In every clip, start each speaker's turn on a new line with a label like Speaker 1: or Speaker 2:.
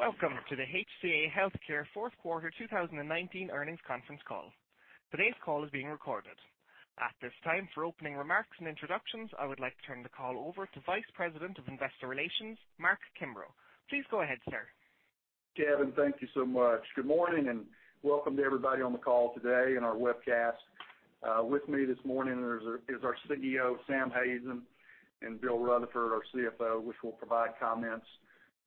Speaker 1: Welcome to the HCA Healthcare Fourth Quarter 2019 Earnings Conference Call. Today's call is being recorded. At this time, for opening remarks and introductions, I would like to turn the call over to Vice President of Investor Relations, Mark Kimbrough. Please go ahead, sir.
Speaker 2: Kevin, thank you so much. Good morning, and welcome to everybody on the call today and our webcast. With me this morning is our CEO, Sam Hazen, and Bill Rutherford, our CFO, which will provide comments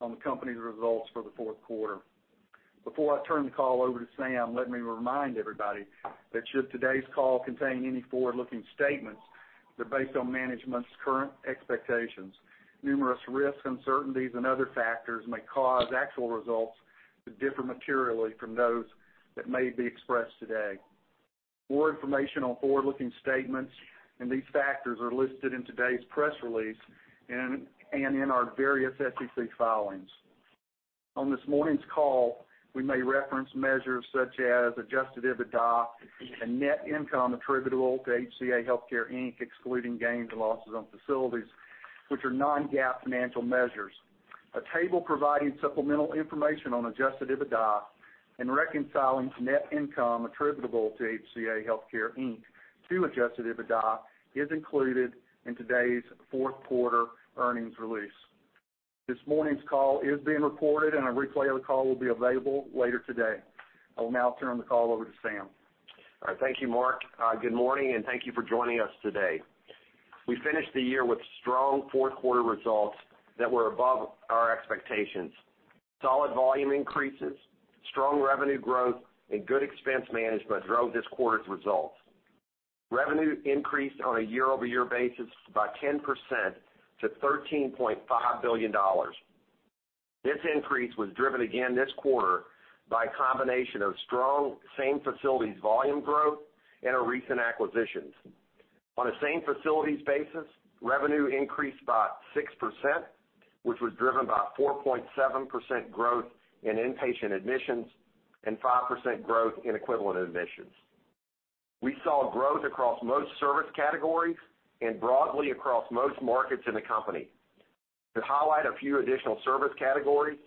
Speaker 2: on the company's results for the fourth quarter. Before I turn the call over to Sam, let me remind everybody that should today's call contain any forward-looking statements, they're based on management's current expectations. Numerous risks, uncertainties, and other factors may cause actual results to differ materially from those that may be expressed today. More information on forward-looking statements and these factors are listed in today's press release and in our various SEC filings. On this morning's call, we may reference measures such as adjusted EBITDA and net income attributable to HCA Healthcare, Inc., excluding gains and losses on facilities, which are non-GAAP financial measures. A table providing supplemental information on adjusted EBITDA and reconciling net income attributable to HCA Healthcare, Inc., to adjusted EBITDA is included in today's fourth quarter earnings release. This morning's call is being recorded, and a replay of the call will be available later today. I will now turn the call over to Sam.
Speaker 3: All right. Thank you, Mark. Good morning, and thank you for joining us today. We finished the year with strong fourth-quarter results that were above our expectations. Solid volume increases, strong revenue growth, and good expense management drove this quarter's results. Revenue increased on a year-over-year basis by 10% to $13.5 billion. This increase was driven again this quarter by a combination of strong same facilities volume growth and our recent acquisitions. On a same facilities basis, revenue increased by 6%, which was driven by 4.7% growth in inpatient admissions and 5% growth in equivalent admissions. We saw growth across most service categories and broadly across most markets in the company. To highlight a few additional service categories,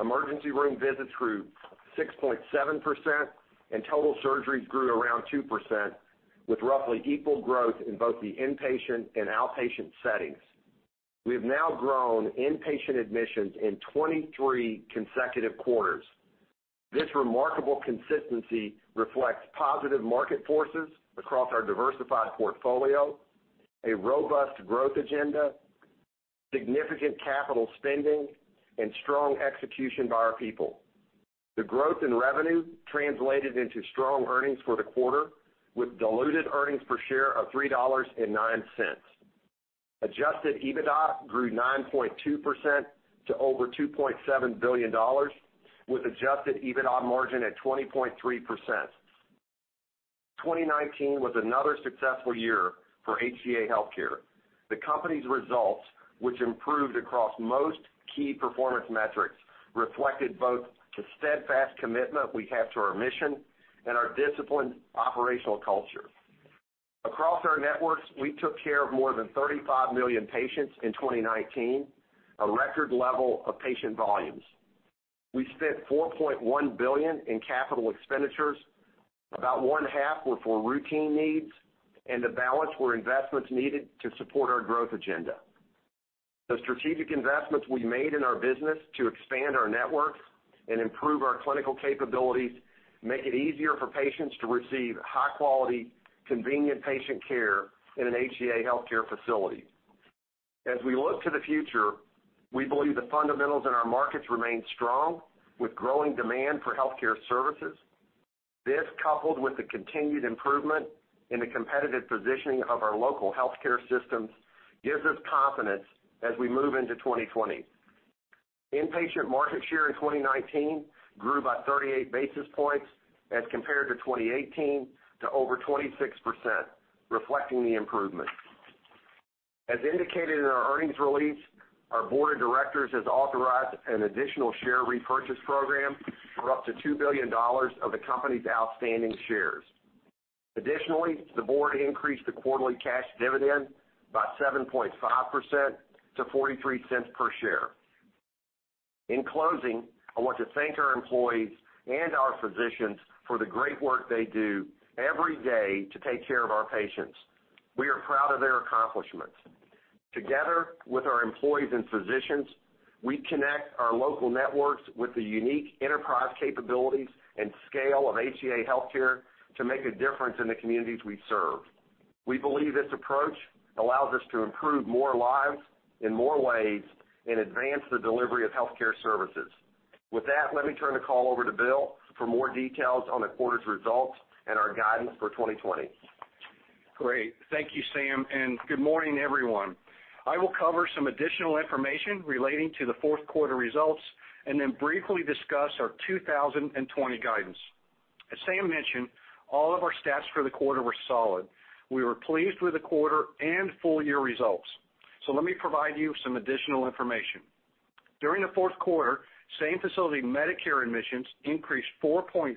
Speaker 3: emergency room visits grew 6.7%, and total surgeries grew around 2%, with roughly equal growth in both the inpatient and outpatient settings. We have now grown inpatient admissions in 23 consecutive quarters. This remarkable consistency reflects positive market forces across our diversified portfolio, a robust growth agenda, significant capital spending, and strong execution by our people. The growth in revenue translated into strong earnings for the quarter, with diluted earnings per share of $3.09. Adjusted EBITDA grew 9.2% to over $2.7 billion, with adjusted EBITDA margin at 20.3%. 2019 was another successful year for HCA Healthcare. The company's results, which improved across most key performance metrics, reflected both the steadfast commitment we have to our mission and our disciplined operational culture. Across our networks, we took care of more than 35 million patients in 2019, a record level of patient volumes. We spent $4.1 billion in capital expenditures. About one-half were for routine needs, and the balance were investments needed to support our growth agenda. The strategic investments we made in our business to expand our networks and improve our clinical capabilities make it easier for patients to receive high-quality, convenient patient care in an HCA Healthcare facility. As we look to the future, we believe the fundamentals in our markets remain strong, with growing demand for healthcare services. This, coupled with the continued improvement in the competitive positioning of our local healthcare systems, gives us confidence as we move into 2020. Inpatient market share in 2019 grew by 38 basis points as compared to 2018 to over 26%, reflecting the improvement. As indicated in our earnings release, our board of directors has authorized an additional share repurchase program for up to $2 billion of the company's outstanding shares. Additionally, the board increased the quarterly cash dividend by 7.5% to $0.43 per share. In closing, I want to thank our employees and our physicians for the great work they do every day to take care of our patients. We are proud of their accomplishments. Together with our employees and physicians, we connect our local networks with the unique enterprise capabilities and scale of HCA Healthcare to make a difference in the communities we serve. We believe this approach allows us to improve more lives in more ways and advance the delivery of healthcare services. With that, let me turn the call over to Bill for more details on the quarter's results and our guidance for 2020.
Speaker 4: Great. Thank you, Sam. Good morning, everyone. I will cover some additional information relating to the fourth quarter results and then briefly discuss our 2020 guidance. As Sam mentioned, all of our stats for the quarter were solid. We were pleased with the quarter and full-year results. Let me provide you some additional information. During the fourth quarter, same-facility Medicare admissions increased 4.3%,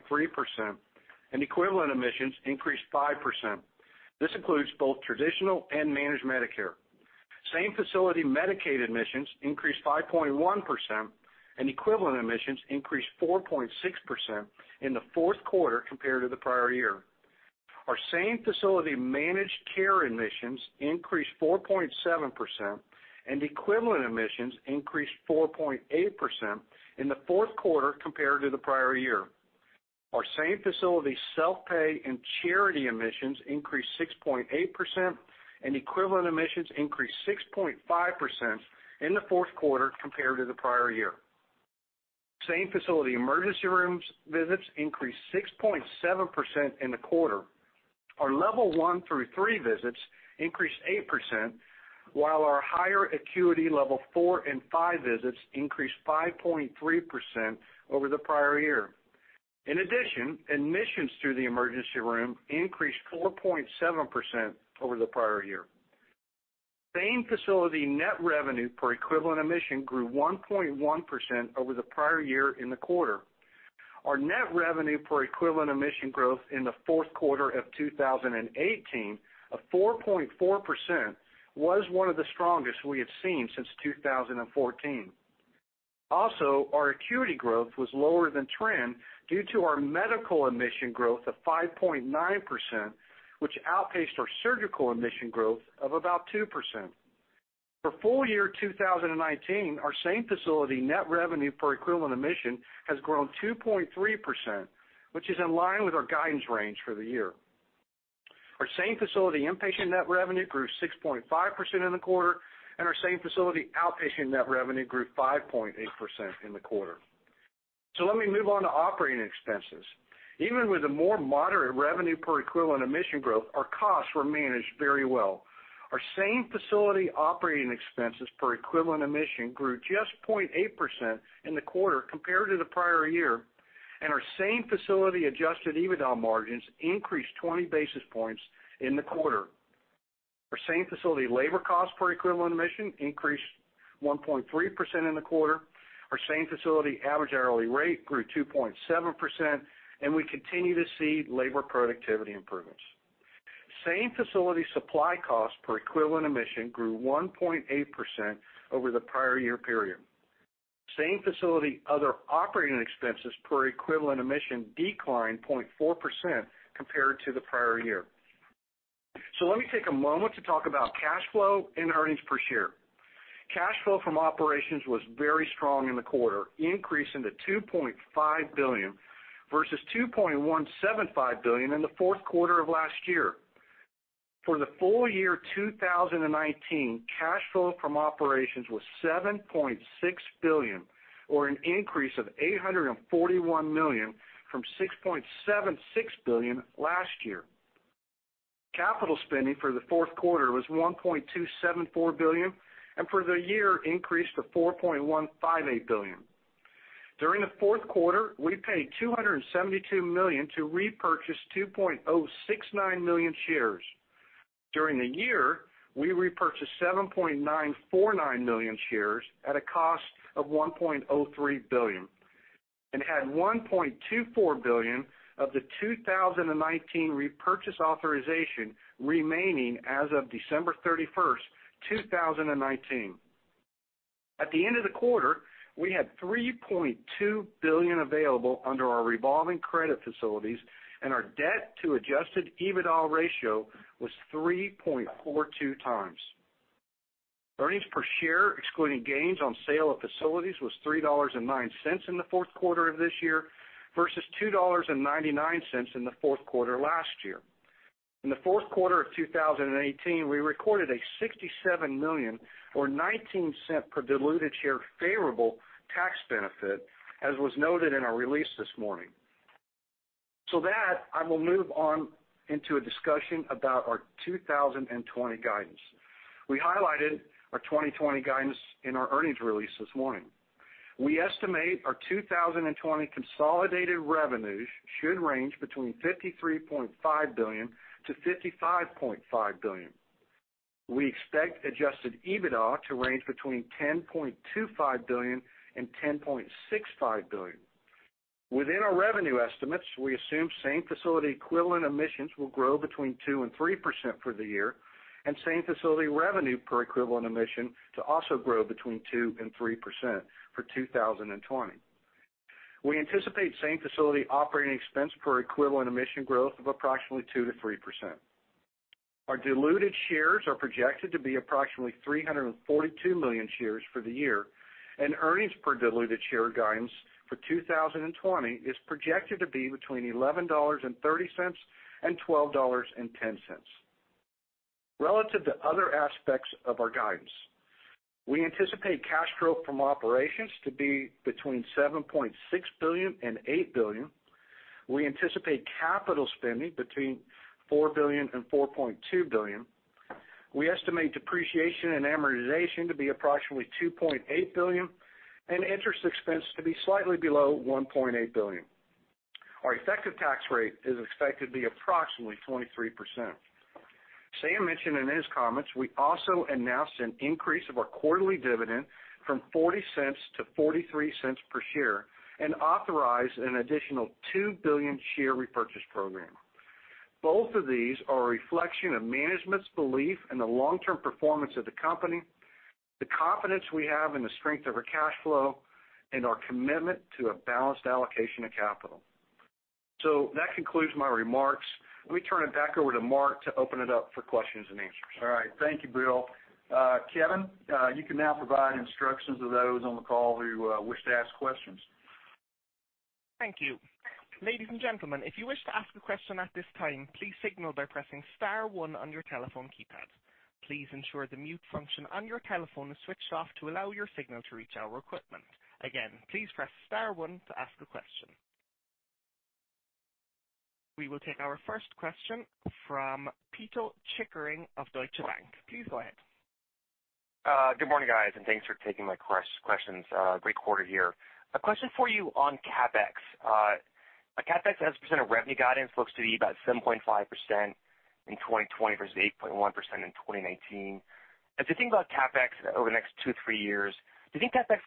Speaker 4: and equivalent admissions increased 5%. This includes both traditional and managed Medicare. Same-facility Medicaid admissions increased 5.1%, and equivalent admissions increased 4.6% in the fourth quarter compared to the prior year. Our same-facility Managed Care admissions increased 4.7%, and equivalent admissions increased 4.8% in the fourth quarter compared to the prior year. Our same-facility self-pay and charity admissions increased 6.8%, and equivalent admissions increased 6.5% in the fourth quarter compared to the prior year. Same-facility emergency rooms visits increased 6.7% in the quarter. Our Level 1 through 3 visits increased 8%, while our higher acuity Level 4 and 5 visits increased 5.3% over the prior year. In addition, admissions through the emergency room increased 4.7% over the prior year. Same-facility net revenue per equivalent admission grew 1.1% over the prior year in the quarter. Our net revenue per equivalent admission growth in the fourth quarter of 2018 of 4.4% was one of the strongest we have seen since 2014. Also, our acuity growth was lower than trend due to our medical admission growth of 5.9%, which outpaced our surgical admission growth of about 2%. For full-year 2019, our same-facility net revenue per equivalent admission has grown 2.3%, which is in line with our guidance range for the year. Our same-facility inpatient net revenue grew 6.5% in the quarter, and our same-facility outpatient net revenue grew 5.8% in the quarter. Let me move on to operating expenses. Even with a more moderate revenue per equivalent admission growth, our costs were managed very well. Our same-facility operating expenses per equivalent admission grew just 0.8% in the quarter compared to the prior year, and our same-facility adjusted EBITDA margins increased 20 basis points in the quarter. Our same-facility labor cost per equivalent admission increased 1.3% in the quarter. Our same-facility average hourly rate grew 2.7%, and we continue to see labor productivity improvements. Same-facility supply cost per equivalent admission grew 1.8% over the prior year period. Same-facility other operating expenses per equivalent admission declined 0.4% compared to the prior year. Let me take a moment to talk about cash flow and earnings per share. Cash flow from operations was very strong in the quarter, increasing to $2.5 billion, versus $2.175 billion in the fourth quarter of last year. For the full-year 2019, cash flow from operations was $7.6 billion, or an increase of $841 million from $6.76 billion last year. Capital spending for the fourth quarter was $1.274 billion, and for the year, increased to $4.158 billion. During the fourth quarter, we paid $272 million to repurchase 2.069 million shares. During the year, we repurchased 7.949 million shares at a cost of $1.03 billion, and had $1.24 billion of the 2019 repurchase authorization remaining as of December 31st, 2019. At the end of the quarter, we had $3.2 billion available under our revolving credit facilities, and our debt to adjusted EBITDA ratio was 3.42x. Earnings per share, excluding gains on sale of facilities, was $3.09 in the fourth quarter of this year, versus $2.99 in the fourth quarter last year. In the fourth quarter of 2018, we recorded a $67 million, or $0.19 per diluted share favorable tax benefit, as was noted in our release this morning. That, I will move on into a discussion about our 2020 guidance. We highlighted our 2020 guidance in our earnings release this morning. We estimate our 2020 consolidated revenues should range between $53.5 billion-$55.5 billion. We expect adjusted EBITDA to range between $10.25 billion and $10.65 billion. Within our revenue estimates, we assume same-facility equivalent admissions will grow between 2% and 3% for the year, and same-facility revenue per equivalent admission to also grow between 2% and 3% for 2020. We anticipate same-facility operating expense per equivalent admission growth of approximately 2%-3%. Our diluted shares are projected to be approximately 342 million shares for the year, and earnings per diluted share guidance for 2020 is projected to be between $11.30 and $12.10. Relative to other aspects of our guidance, we anticipate cash flow from operations to be between $7.6 billion and $8 billion. We anticipate capital spending between $4 billion and $4.2 billion. We estimate depreciation and amortization to be approximately $2.8 billion, and interest expense to be slightly below $1.8 billion. Our effective tax rate is expected to be approximately 23%. Sam mentioned in his comments, we also announced an increase of our quarterly dividend from $0.40 to $0.43 per share and authorized an additional $2 billion share repurchase program. Both of these are a reflection of management's belief in the long-term performance of the company, the confidence we have in the strength of our cash flow, and our commitment to a balanced allocation of capital. That concludes my remarks. Let me turn it back over to Mark to open it up for questions and answers.
Speaker 3: All right. Thank you, Bill. Kevin, you can now provide instructions to those on the call who wish to ask questions.
Speaker 1: Thank you. Ladies and gentlemen, if you wish to ask a question at this time, please signal by pressing star one on your telephone keypad. Please ensure the mute function on your telephone is switched off to allow your signal to reach our equipment. Again, please press star one to ask a question. We will take our first question from Pito Chickering of Deutsche Bank. Please go ahead.
Speaker 5: Good morning, guys. Thanks for taking my questions. Great quarter here. A question for you on CapEx. CapEx as a percent of revenue guidance looks to be about 7.5% in 2020 versus 8.1% in 2019. As we think about CapEx over the next two, three years, do you think CapEx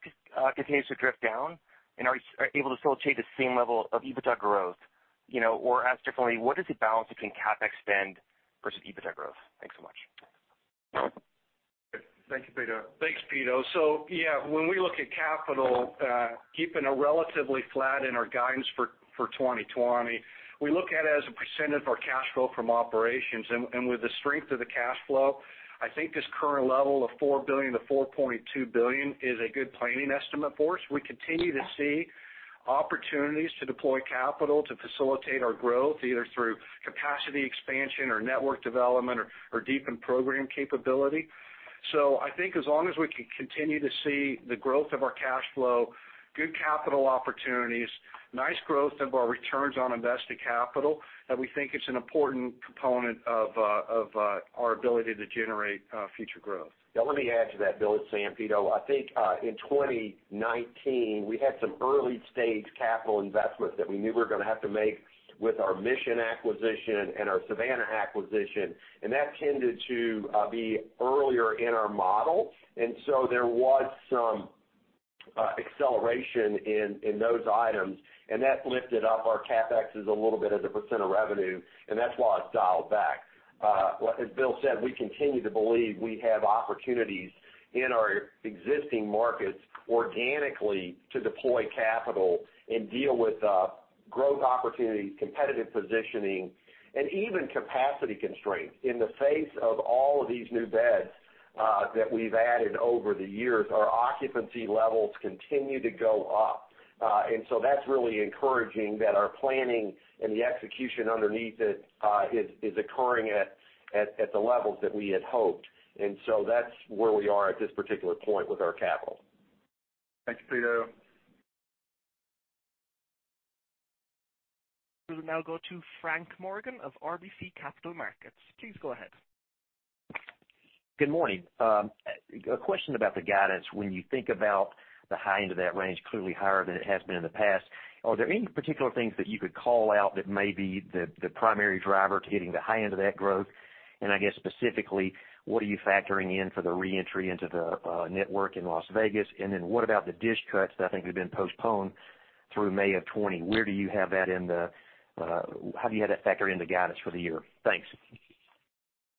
Speaker 5: continues to drift down? Are you able to still achieve the same level of EBITDA growth? Asked differently, what is the balance between CapEx spend versus EBITDA growth? Thanks so much.
Speaker 3: Thank you, Pito.
Speaker 4: Thanks, Pito. Yeah, when we look at capital, keeping it relatively flat in our guidance for 2020, we look at it as a percent of our cash flow from operations. With the strength of the cash flow, I think this current level of $4 billion-$4.2 billion is a good planning estimate for us. We continue to see opportunities to deploy capital to facilitate our growth, either through capacity expansion or network development or deepen program capability. I think as long as we can continue to see the growth of our cash flow, good capital opportunities, nice growth of our returns on invested capital, that we think it's an important component of our ability to generate future growth.
Speaker 3: Let me add to that, Bill, it's Sam, Pito. I think in 2019, we had some early-stage capital investments that we knew we were going to have to make with our Mission Health acquisition and our Savannah acquisition, and that tended to be earlier in our model. There was some acceleration in those items, and that lifted up our CapEx a little bit as a percent of revenue, and that's why it's dialed back. As Bill said, we continue to believe we have opportunities in our existing markets organically to deploy capital and deal with growth opportunities, competitive positioning, and even capacity constraints. In the face of all of these new beds that we've added over the years, our occupancy levels continue to go up. That's really encouraging that our planning and the execution underneath it is occurring at the levels that we had hoped. That's where we are at this particular point with our capital.
Speaker 4: Thanks, Pito
Speaker 1: We will now go to Frank Morgan of RBC Capital Markets. Please go ahead.
Speaker 6: Good morning. A question about the guidance. When you think about the high end of that range, clearly higher than it has been in the past, are there any particular things that you could call out that may be the primary driver to hitting the high end of that growth? I guess specifically, what are you factoring in for the re-entry into the network in Las Vegas? What about the DSH cuts that I think have been postponed through May of 2020? How do you have that factored into guidance for the year? Thanks.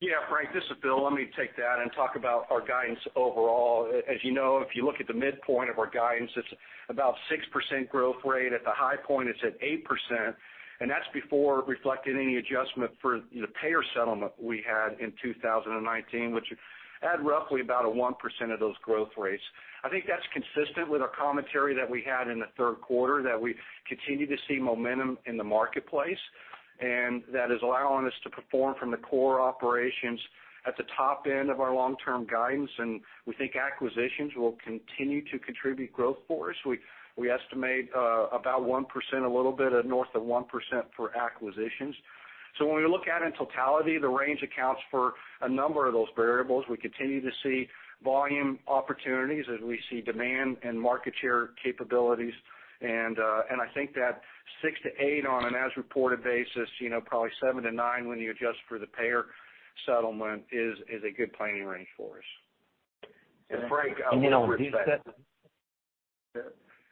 Speaker 4: Yeah. Frank, this is Bill. Let me take that and talk about our guidance overall. As you know, if you look at the midpoint of our guidance, it's about 6% growth rate. At the high point, it's at 8%. That's before reflecting any adjustment for the payer settlement we had in 2019, which add roughly about a 1% of those growth rates. I think that's consistent with our commentary that we had in the third quarter, that we continue to see momentum in the marketplace. That is allowing us to perform from the core operations at the top end of our long-term guidance. We think acquisitions will continue to contribute growth for us. We estimate about 1%, a little bit north of 1% for acquisitions. When we look at in totality, the range accounts for a number of those variables. We continue to see volume opportunities as we see demand and market share capabilities. I think that 6%-8% on an as-reported basis, probably 7%-9% when you adjust for the payer settlement, is a good planning range for us.
Speaker 3: Frank.
Speaker 6: On DSH cuts?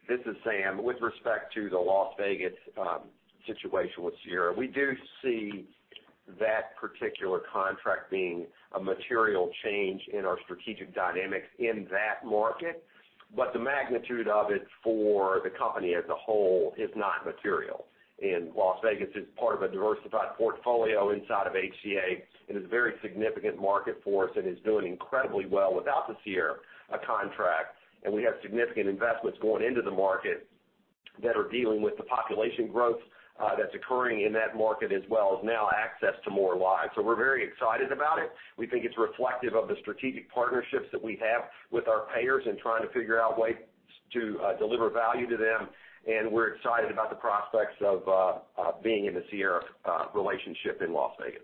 Speaker 3: This is Sam. With respect to the Las Vegas situation with Sierra, we do see that particular contract being a material change in our strategic dynamics in that market. The magnitude of it for the company as a whole is not material. Las Vegas is part of a diversified portfolio inside of HCA and is a very significant market for us and is doing incredibly well without the Sierra contract. We have significant investments going into the market that are dealing with the population growth that's occurring in that market as well as now access to more lives. We're very excited about it. We think it's reflective of the strategic partnerships that we have with our payers in trying to figure out ways to deliver value to them, and we're excited about the prospects of being in the Sierra relationship in Las Vegas.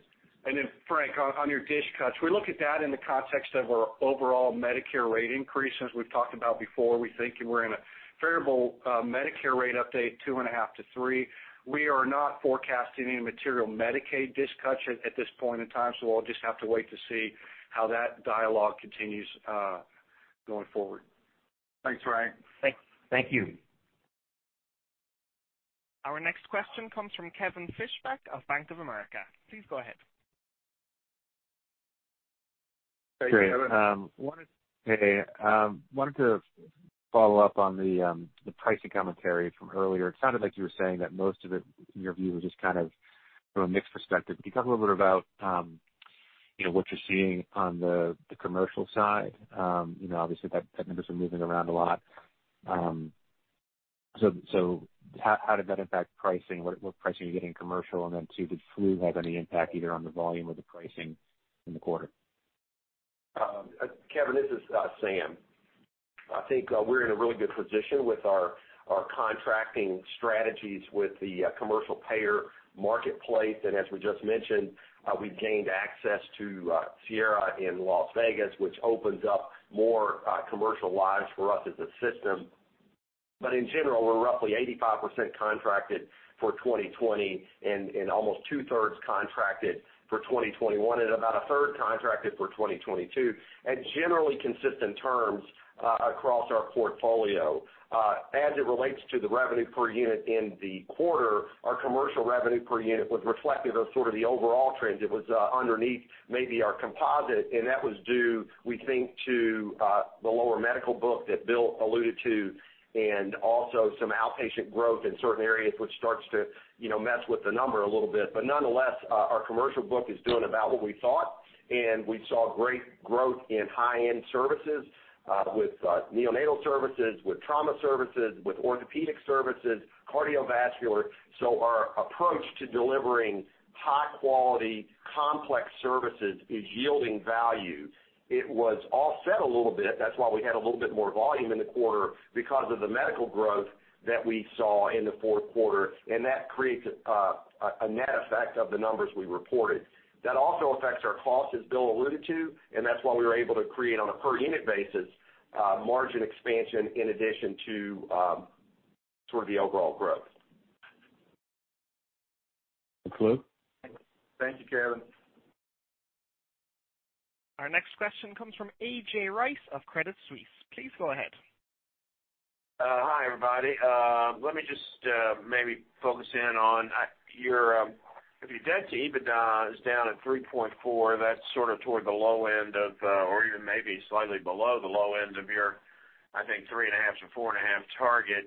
Speaker 4: Frank, on your DSH cuts, we look at that in the context of our overall Medicare rate increase. As we've talked about before, we think we're in a favorable Medicare rate update, 2.5 to three. We are not forecasting any material Medicaid DSH cuts at this point in time, so we'll just have to wait to see how that dialogue continues going forward.
Speaker 3: Thanks, Frank.
Speaker 6: Thank you.
Speaker 1: Our next question comes from Kevin Fischbeck of Bank of America. Please go ahead.
Speaker 3: Hey, Kevin.
Speaker 7: Hey. Wanted to follow up on the pricing commentary from earlier. It sounded like you were saying that most of it, in your view, was just from a mixed perspective. Can you talk a little bit about what you're seeing on the commercial side? Obviously, that number's been moving around a lot. How did that impact pricing? What pricing are you getting in commercial? Two, did flu have any impact either on the volume or the pricing in the quarter?
Speaker 3: Kevin, this is Sam. I think we're in a really good position with our contracting strategies with the commercial payer marketplace. As we just mentioned, we've gained access to Sierra in Las Vegas, which opens up more commercial lives for us as a system. In general, we're roughly 85% contracted for 2020 and almost two-thirds contracted for 2021, and about a third contracted for 2022, and generally consistent terms across our portfolio. As it relates to the revenue per unit in the quarter, our commercial revenue per unit was reflective of sort of the overall trends. It was underneath maybe our composite, and that was due, we think, to the lower medical book that Bill alluded to, and also some outpatient growth in certain areas, which starts to mess with the number a little bit. Nonetheless, our commercial book is doing about what we thought, and we saw great growth in high-end services, with neonatal services, with trauma services, with orthopedic services, cardiovascular. Our approach to delivering high-quality, complex services is yielding value. It was offset a little bit. That's why we had a little bit more volume in the quarter because of the medical growth that we saw in the fourth quarter, and that creates a net effect of the numbers we reported. That also affects our costs, as Bill alluded to, and that's why we were able to create, on a per-unit basis, margin expansion in addition to the overall growth.
Speaker 4: Flu?
Speaker 3: Thank you, Kevin.
Speaker 1: Our next question comes from A.J. Rice of Credit Suisse. Please go ahead.
Speaker 8: Hi, everybody. Let me just maybe focus in on your, if your debt-to-EBITDA is down at 3.4, that's sort of toward the low end of, or even maybe slightly below the low end of your, I think, 3.5-4.5 target.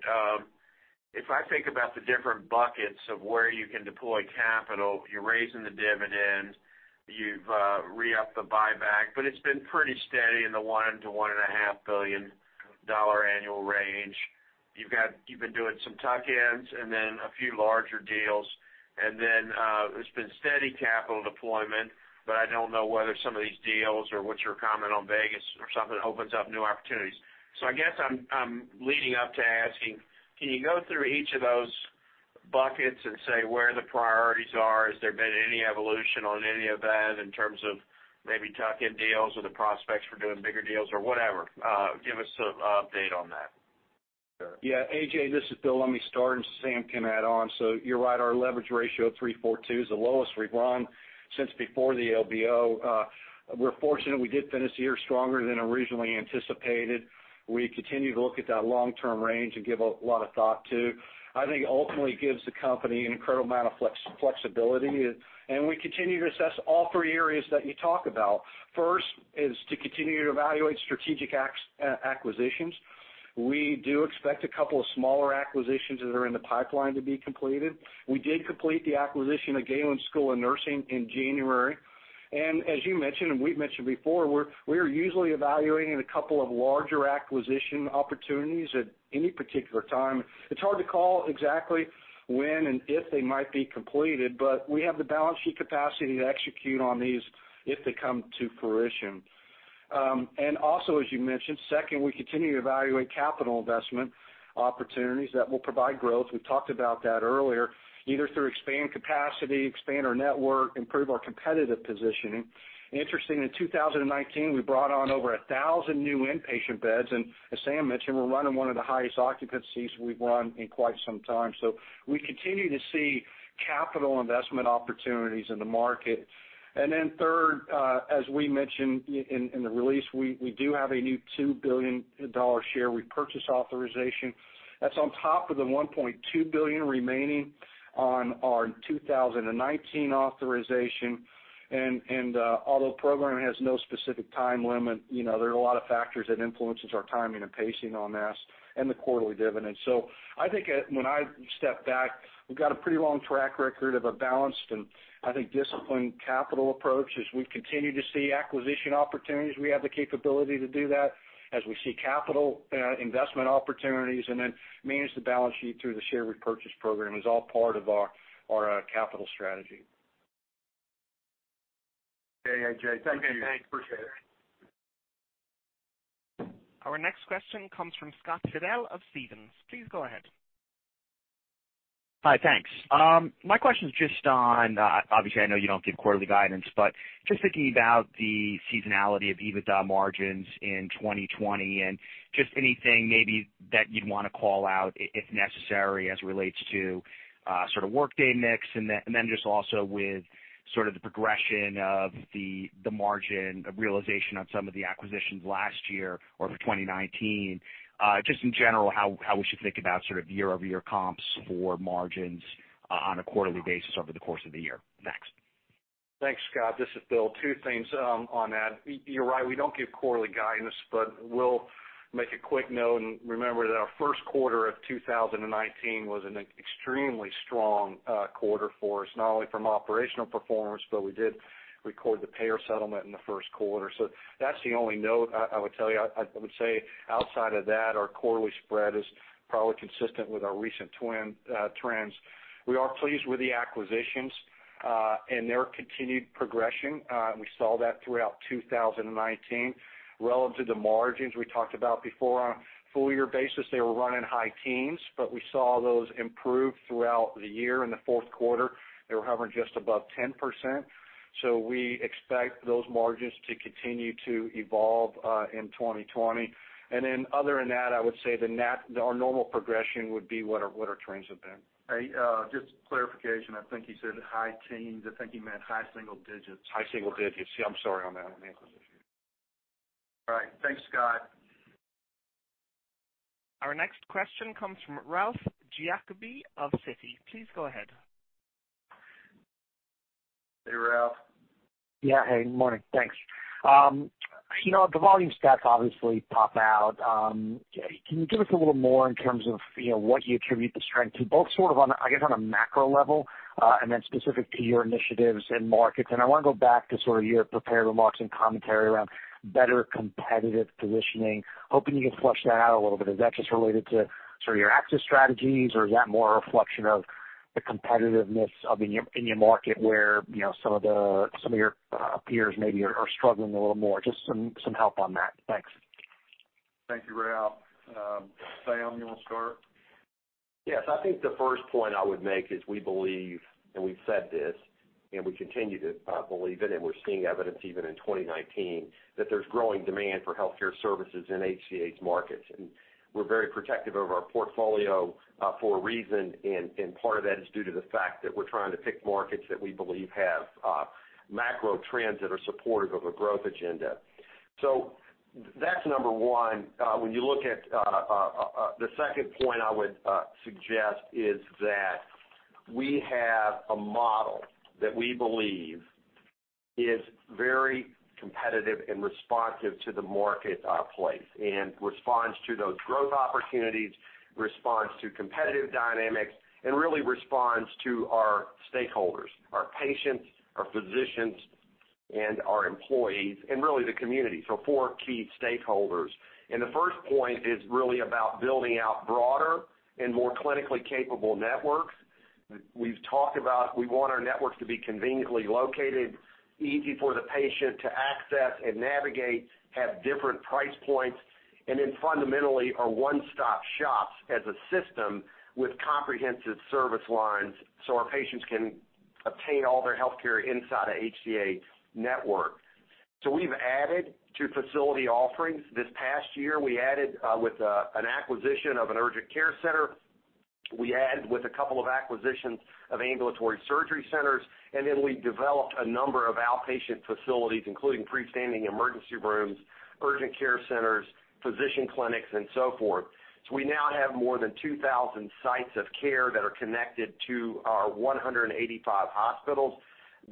Speaker 8: If I think about the different buckets of where you can deploy capital, you're raising the dividend, you've re-upped the buyback, but it's been pretty steady in the $1 billion-$1.5 billion annual range. You've been doing some tuck-ins and then a few larger deals. There's been steady capital deployment, but I don't know whether some of these deals or what's your comment on Vegas or something opens up new opportunities. I guess I'm leading up to asking, can you go through each of those buckets and say where the priorities are? Has there been any evolution on any of that in terms of maybe tuck-in deals or the prospects for doing bigger deals or whatever? Give us an update on that.
Speaker 4: Yeah, A.J., this is Bill. Let me start, and Sam can add on. You're right, our leverage ratio of 3.42 is the lowest we've run since before the LBO. We're fortunate we did finish the year stronger than originally anticipated. We continue to look at that long-term range and give a lot of thought to. I think ultimately gives the company an incredible amount of flexibility, and we continue to assess all three areas that you talk about. First is to continue to evaluate strategic acquisitions. We do expect a couple of smaller acquisitions that are in the pipeline to be completed. We did complete the acquisition of Galen College of Nursing in January. As you mentioned, and we've mentioned before, we are usually evaluating a couple of larger acquisition opportunities at any particular time. It's hard to call exactly when and if they might be completed, but we have the balance sheet capacity to execute on these if they come to fruition. Also, as you mentioned, second, we continue to evaluate capital investment opportunities that will provide growth. We talked about that earlier, either through expand capacity, expand our network, improve our competitive positioning. Interesting, in 2019, we brought on over 1,000 new inpatient beds, and as Sam mentioned, we're running one of the highest occupancies we've run in quite some time. We continue to see capital investment opportunities in the market. Third, as we mentioned in the release, we do have a new $2 billion share repurchase authorization. That's on top of the $1.2 billion remaining on our 2019 authorization. Although the program has no specific time limit, there are a lot of factors that influences our timing and pacing on this and the quarterly dividend. I think when I step back, we've got a pretty long track record of a balanced and I think disciplined capital approach. As we continue to see acquisition opportunities, we have the capability to do that, as we see capital investment opportunities, and then manage the balance sheet through the share repurchase program is all part of our capital strategy.
Speaker 3: Okay, A.J., thank you. Appreciate it.
Speaker 8: Okay, thanks.
Speaker 1: Our next question comes from Scott Fidel of Stephens. Please go ahead.
Speaker 9: Hi, thanks. My question is just on, obviously, I know you don't give quarterly guidance, but just thinking about the seasonality of EBITDA margins in 2020 and just anything maybe that you'd want to call out if necessary as it relates to sort of workday mix, and then just also with sort of the progression of the margin realization on some of the acquisitions last year or for 2019. Just in general, how we should think about sort of year-over-year comps for margins on a quarterly basis over the course of the year. Thanks.
Speaker 4: Thanks, Scott. This is Bill. Two things on that. You're right, we don't give quarterly guidance, but we'll make a quick note and remember that our first quarter of 2019 was an extremely strong quarter for us, not only from operational performance, but we did record the payer settlement in the first quarter. That's the only note I would tell you. I would say outside of that, our quarterly spread is probably consistent with our recent trends. We are pleased with the acquisitions, and their continued progression. We saw that throughout 2019. Relative to margins we talked about before, on a full-year basis, they were running high teens, but we saw those improve throughout the year. In the fourth quarter, they were hovering just above 10%, so we expect those margins to continue to evolve in 2020. Other than that, I would say our normal progression would be what our trends have been.
Speaker 3: Just clarification, I think you said high teens. I think you meant high-single-digits.
Speaker 4: High-single-digits. Yeah, I'm sorry on that.
Speaker 3: All right. Thanks, Scott.
Speaker 1: Our next question comes from Ralph Giacobbe of Citi. Please go ahead.
Speaker 4: Hey, Ralph.
Speaker 10: Yeah. Hey, morning. Thanks. The volume stats obviously pop out. Can you give us a little more in terms of what you attribute the strength to, both on, I guess, on a macro level, and then specific to your initiatives and markets. I want to go back to your prepared remarks and commentary around better competitive positioning. Hoping you can flush that out a little bit. Is that just related to your access strategies, or is that more a reflection of the competitiveness in your market where some of your peers maybe are struggling a little more? Just some help on that. Thanks.
Speaker 4: Thank you, Ralph. Sam, you want to start?
Speaker 3: Yes. I think the first point I would make is we believe, and we've said this, and we continue to believe it, and we're seeing evidence even in 2019, that there's growing demand for healthcare services in HCA's markets. We're very protective of our portfolio for a reason, and part of that is due to the fact that we're trying to pick markets that we believe have macro trends that are supportive of a growth agenda. That's number 1. When you look at the second point I would suggest is that we have a model that we believe is very competitive and responsive to the marketplace, and responds to those growth opportunities, responds to competitive dynamics, and really responds to our stakeholders, our patients, our physicians, and our employees, and really the community. Four key stakeholders. The first point is really about building out broader and more clinically capable networks. We've talked about we want our networks to be conveniently located, easy for the patient to access and navigate, at different price points, and then fundamentally are one-stop shops as a system with comprehensive service lines so our patients can obtain all their healthcare inside a HCA network. We've added to facility offerings this past year. We added with an acquisition of an urgent care center. We added with a couple of acquisitions of ambulatory surgery centers. We developed a number of outpatient facilities, including freestanding emergency rooms, urgent care centers, physician clinics, and so forth. We now have more than 2,000 sites of care that are connected to our 185 hospitals.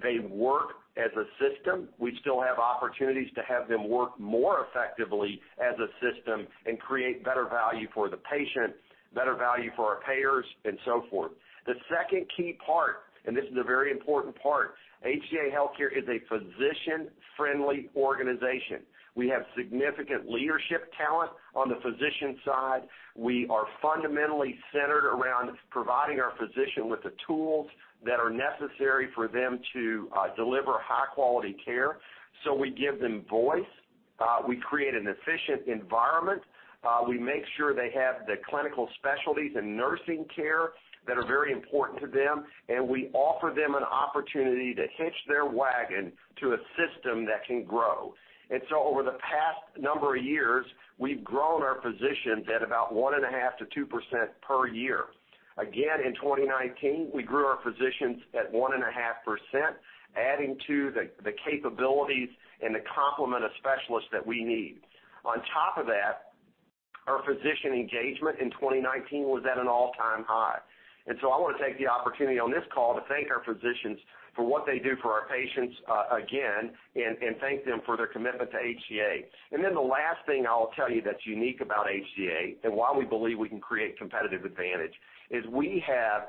Speaker 3: They work as a system. We still have opportunities to have them work more effectively as a system and create better value for the patient, better value for our payers, and so forth. The second key part, this is a very important part, HCA Healthcare is a physician-friendly organization. We have significant leadership talent on the physician side. We are fundamentally centered around providing our physician with the tools that are necessary for them to deliver high-quality care. We give them voice. We create an efficient environment. We make sure they have the clinical specialties and nursing care that are very important to them, we offer them an opportunity to hitch their wagon to a system that can grow. Over the past number of years, we've grown our physicians at about 1.5%-2% per year. In 2019, we grew our physicians at 1.5%, adding to the capabilities and the complement of specialists that we need. On top of that, our physician engagement in 2019 was at an all-time high. I want to take the opportunity on this call to thank our physicians for what they do for our patients, again, and thank them for their commitment to HCA. The last thing I'll tell you that's unique about HCA, and why we believe we can create competitive advantage, is we have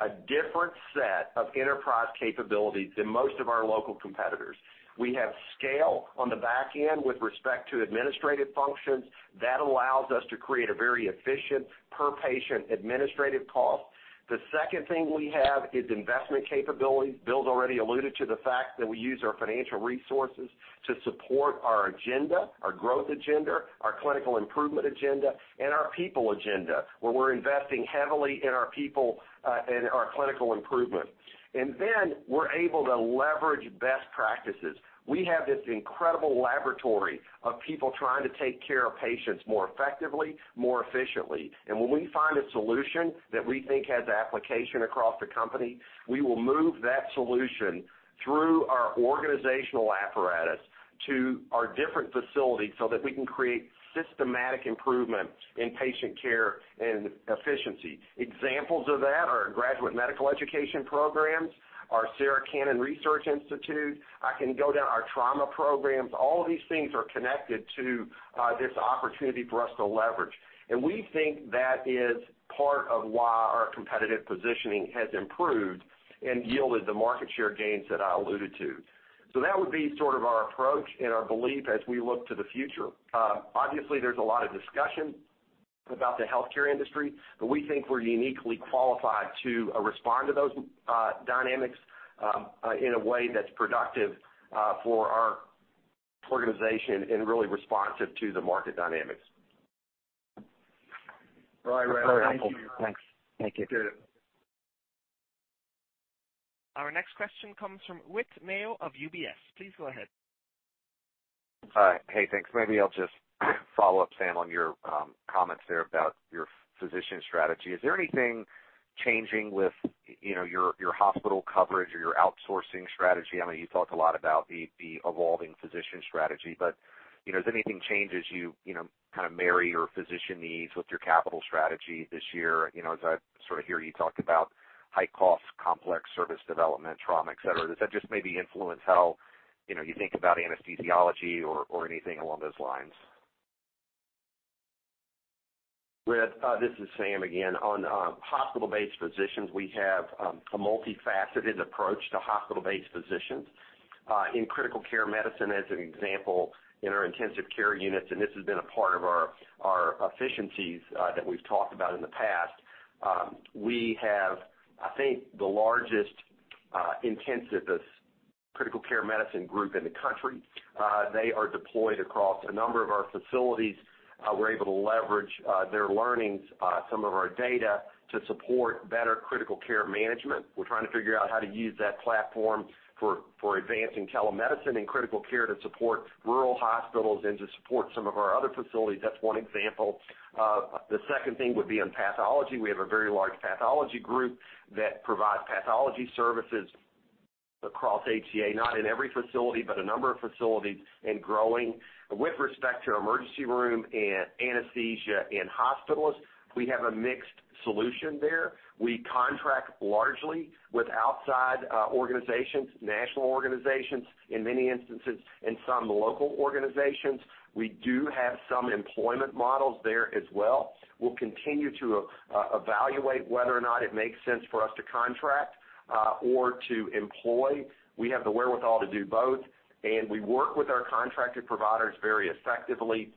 Speaker 3: a different set of enterprise capabilities than most of our local competitors. We have scale on the back end with respect to administrative functions. That allows us to create a very efficient per-patient administrative cost. The second thing we have is investment capabilities. Bill's already alluded to the fact that we use our financial resources to support our agenda, our growth agenda, our clinical improvement agenda, and our people agenda, where we're investing heavily in our people and our clinical improvement. We're able to leverage best practices. We have this incredible laboratory of people trying to take care of patients more effectively, more efficiently. When we find a solution that we think has application across the company, we will move that solution through our organizational apparatus to our different facilities so that we can create systematic improvement in patient care and efficiency. Examples of that are our graduate medical education programs, our Sarah Cannon Research Institute. I can go down our trauma programs. All of these things are connected to this opportunity for us to leverage. We think that is part of why our competitive positioning has improved and yielded the market share gains that I alluded to. That would be sort of our approach and our belief as we look to the future. Obviously, there's a lot of discussion about the healthcare industry, but we think we're uniquely qualified to respond to those dynamics in a way that's productive for our organization and really responsive to the market dynamics.
Speaker 4: All right, Ralph. Thank you.
Speaker 10: Very helpful. Thanks. Thank you.
Speaker 4: Appreciate it.
Speaker 1: Our next question comes from Whit Mayo of UBS. Please go ahead.
Speaker 11: Hi. Hey, thanks. Maybe I'll just follow up, Sam, on your comments there about your physician strategy. Is there anything changing with your hospital coverage or your outsourcing strategy? I know you talked a lot about the evolving physician strategy, but does anything change as you marry your physician needs with your capital strategy this year? As I hear you talk about high cost, complex service development, trauma, et cetera, does that just maybe influence how you think about anesthesiology or anything along those lines?
Speaker 3: Whit, this is Sam again. On hospital-based physicians, we have a multifaceted approach to hospital-based physicians. In critical care medicine, as an example, in our intensive care units, and this has been a part of our efficiencies that we've talked about in the past, we have, I think, the largest intensivist critical care medicine group in the country. They are deployed across a number of our facilities. We're able to leverage their learnings, some of our data, to support better critical care management. We're trying to figure out how to use that platform for advancing telemedicine and critical care to support rural hospitals and to support some of our other facilities. That's one example. The second thing would be in pathology. We have a very large pathology group that provides pathology services across HCA, not in every facility, but a number of facilities and growing. With respect to emergency room and anesthesia and hospitalists, we have a mixed solution there. We contract largely with outside organizations, national organizations in many instances, and some local organizations. We do have some employment models there as well. We'll continue to evaluate whether or not it makes sense for us to contract or to employ. We have the wherewithal to do both, and we work with our contracted providers very effectively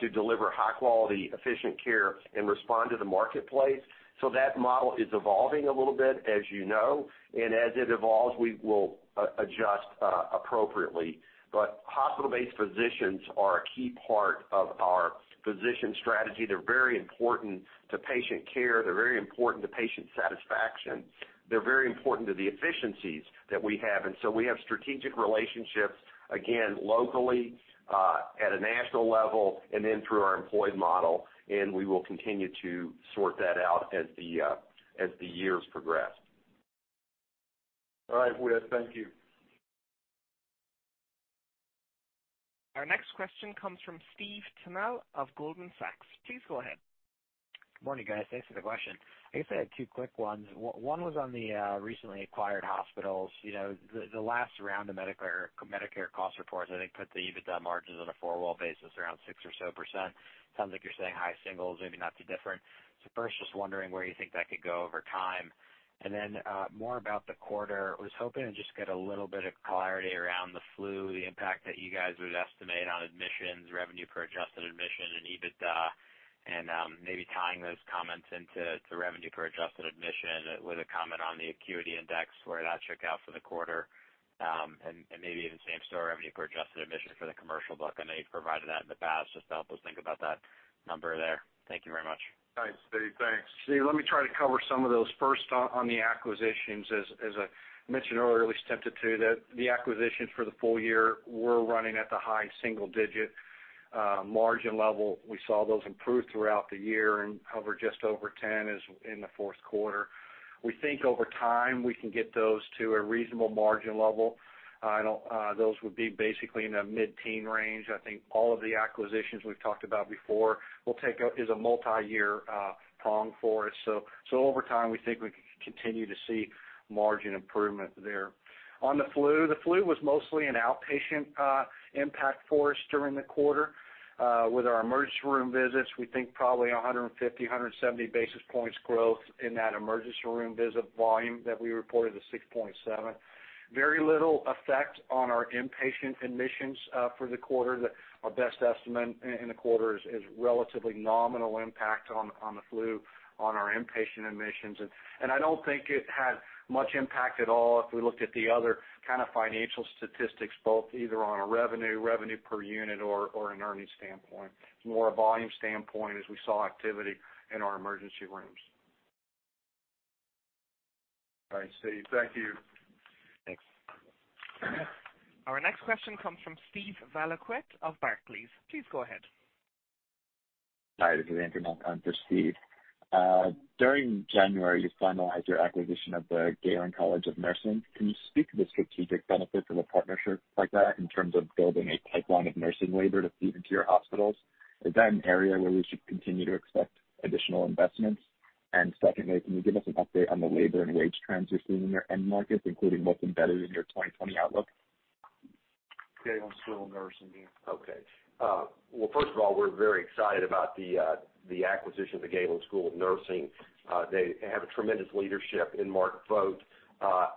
Speaker 3: to deliver high-quality, efficient care and respond to the marketplace. That model is evolving a little bit, as you know, and as it evolves, we will adjust appropriately. Hospital-based physicians are a key part of our physician strategy. They're very important to patient care. They're very important to patient satisfaction. They're very important to the efficiencies that we have. We have strategic relationships, again, locally, at a national level, and then through our employed model. We will continue to sort that out as the years progress.
Speaker 4: All right, Whit. Thank you.
Speaker 1: Our next question comes from Steve Tanal of Goldman Sachs. Please go ahead.
Speaker 12: Morning, guys. Thanks for the question. I guess I had two quick ones. One was on the recently acquired hospitals. The last round of Medicare cost reports, I think, put the EBITDA margins on a four-wall basis around six or so percent. Sounds like you're saying high singles, maybe not too different. First, just wondering where you think that could go over time. More about the quarter, I was hoping to just get a little bit of clarity around the flu, the impact that you guys would estimate on admissions, revenue per adjusted admission, and EBITDA, and maybe tying those comments into revenue per adjusted admission with a comment on the acuity index, where that shook out for the quarter. Maybe even same story, revenue per adjusted admission for the commercial book. I know you've provided that in the past, just to help us think about that number there. Thank you very much.
Speaker 2: Thanks, Steve. Thanks.
Speaker 3: Steve, let me try to cover some of those. First on the acquisitions, as I mentioned earlier, we stepped into the acquisitions for the full-year were running at the high single-digit margin level. We saw those improve throughout the year and hover just over 10 in the fourth quarter. We think over time, we can get those to a reasonable margin level. Those would be basically in the mid-teen range. I think all of the acquisitions we've talked about before is a multi-year prong for us. Over time, we think we can continue to see margin improvement there. On the flu, the flu was mostly an outpatient impact for us during the quarter. With our emergency room visits, we think probably 150, 170 basis points growth in that emergency room visit volume that we reported, the 6.7. Very little effect on our inpatient admissions for the quarter. Our best estimate in the quarter is relatively nominal impact on the flu on our inpatient admissions. I don't think it had much impact at all if we looked at the other kind of financial statistics, both either on a revenue per unit, or an earnings standpoint. It's more a volume standpoint as we saw activity in our emergency rooms.
Speaker 4: All right, Steve. Thank you.
Speaker 12: Thanks.
Speaker 1: Our next question comes from Steven Valiquette of Barclays. Please go ahead.
Speaker 13: Hi, this is Andrew. I'm for Steve. During January, you finalized your acquisition of the Galen College of Nursing. Can you speak to the strategic benefit of a partnership like that in terms of building a pipeline of nursing labor to feed into your hospitals? Is that an area where we should continue to expect additional investments? Secondly, can you give us an update on the labor and wage trends you're seeing in your end markets, including what's embedded in your 2020 outlook?
Speaker 4: Galen College of Nursing.
Speaker 3: Okay. Well, first of all, we're very excited about the acquisition of the Galen College of Nursing. They have a tremendous leadership in Mark Vogt,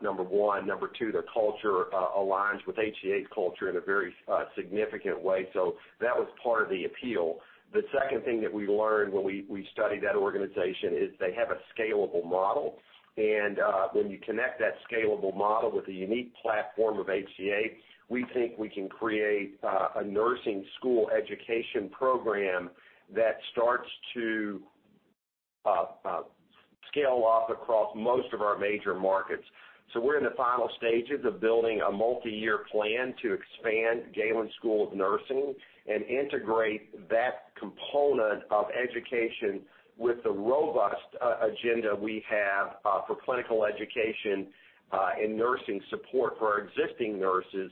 Speaker 3: number one. Number two, their culture aligns with HCA's culture in a very significant way. That was part of the appeal. The second thing that we learned when we studied that organization is they have a scalable model. When you connect that scalable model with the unique platform of HCA, we think we can create a nursing school education program that starts to scale off across most of our major markets. We're in the final stages of building a multi-year plan to expand Galen College of Nursing and integrate that component of education with the robust agenda we have for clinical education, and nursing support for our existing nurses.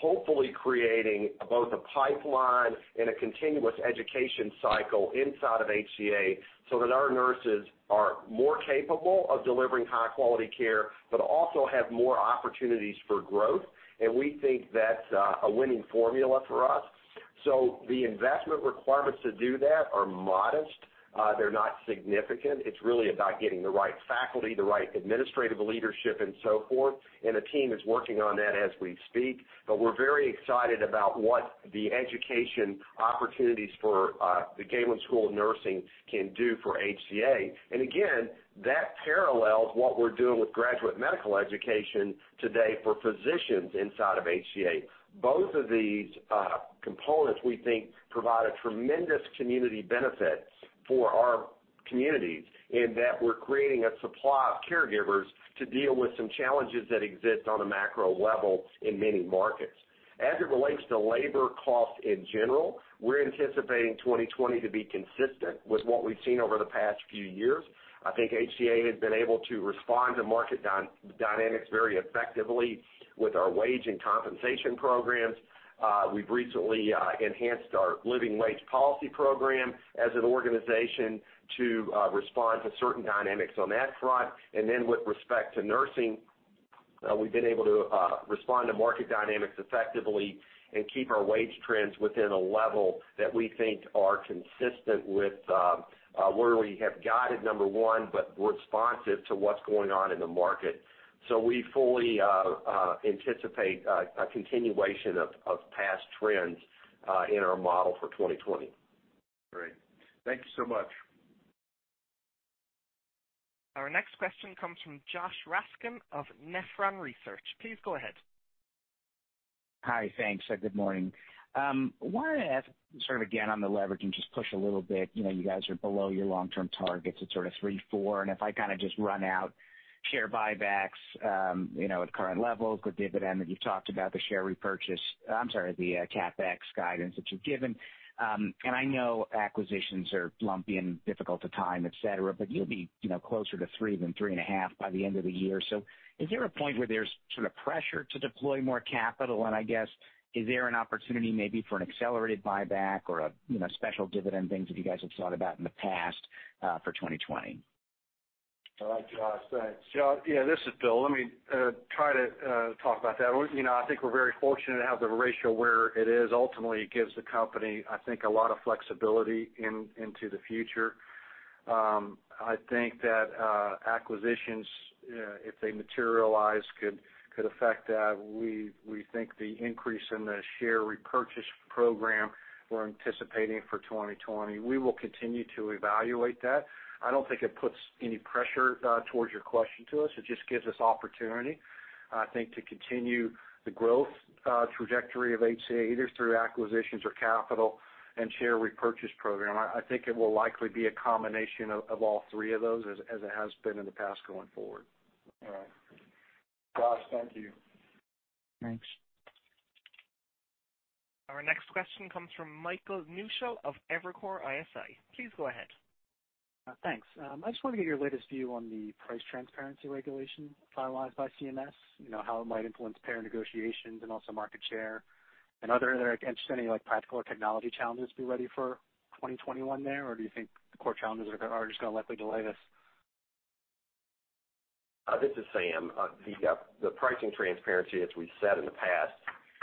Speaker 3: Hopefully creating both a pipeline and a continuous education cycle inside of HCA so that our nurses are more capable of delivering high-quality care, but also have more opportunities for growth. We think that's a winning formula for us. The investment requirements to do that are modest. They're not significant. It's really about getting the right faculty, the right administrative leadership, and so forth, and a team is working on that as we speak. We're very excited about what the education opportunities for the Galen College of Nursing can do for HCA. Again, that parallels what we're doing with graduate medical education today for physicians inside of HCA. Both of these components, we think, provide a tremendous community benefit for our communities in that we're creating a supply of caregivers to deal with some challenges that exist on a macro level in many markets. As it relates to labor cost in general, we're anticipating 2020 to be consistent with what we've seen over the past few years. I think HCA has been able to respond to market dynamics very effectively with our wage and compensation programs. We've recently enhanced our living wage policy program as an organization to respond to certain dynamics on that front. With respect to nursing, we've been able to respond to market dynamics effectively and keep our wage trends within a level that we think are consistent with where we have guided, number one, but we're responsive to what's going on in the market. We fully anticipate a continuation of past trends in our model for 2020.
Speaker 13: Great. Thank you so much.
Speaker 1: Our next question comes from Josh Raskin of Nephron Research. Please go ahead.
Speaker 14: Hi, thanks. Good morning. I wanted to ask, sort of again, on the leverage and just push a little bit. You guys are below your long-term targets at sort of 3-4, and if I just run out share buybacks at current levels, the dividend that you've talked about, the CapEx guidance that you've given. I know acquisitions are lumpy and difficult to time, et cetera, but you'll be closer to 3 than 3.5 by the end of the year. Is there a point where there's sort of pressure to deploy more capital? I guess, is there an opportunity maybe for an accelerated buyback or a special dividend, things that you guys have thought about in the past, for 2020?
Speaker 3: All right, Josh, thanks.
Speaker 4: Josh, yeah, this is Bill. Let me try to talk about that. I think we're very fortunate to have the ratio where it is. Ultimately, it gives the company, I think, a lot of flexibility into the future. I think that acquisitions, if they materialize, could affect that. We think the increase in the share repurchase program we're anticipating for 2020, we will continue to evaluate that. I don't think it puts any pressure towards your question to us. It just gives us opportunity, I think, to continue the growth trajectory of HCA, either through acquisitions or capital and share repurchase program. I think it will likely be a combination of all three of those as it has been in the past going forward.
Speaker 3: All right. Josh, thank you.
Speaker 14: Thanks.
Speaker 1: Our next question comes from Michael Newshel of Evercore ISI. Please go ahead.
Speaker 15: Thanks. I just want to get your latest view on the price transparency regulation finalized by CMS, how it might influence payer negotiations and also market share. Are there any practical or technology challenges to be ready for 2021 there, or do you think the core challenges are just going to likely delay this?
Speaker 3: This is Sam. The pricing transparency, as we've said in the past,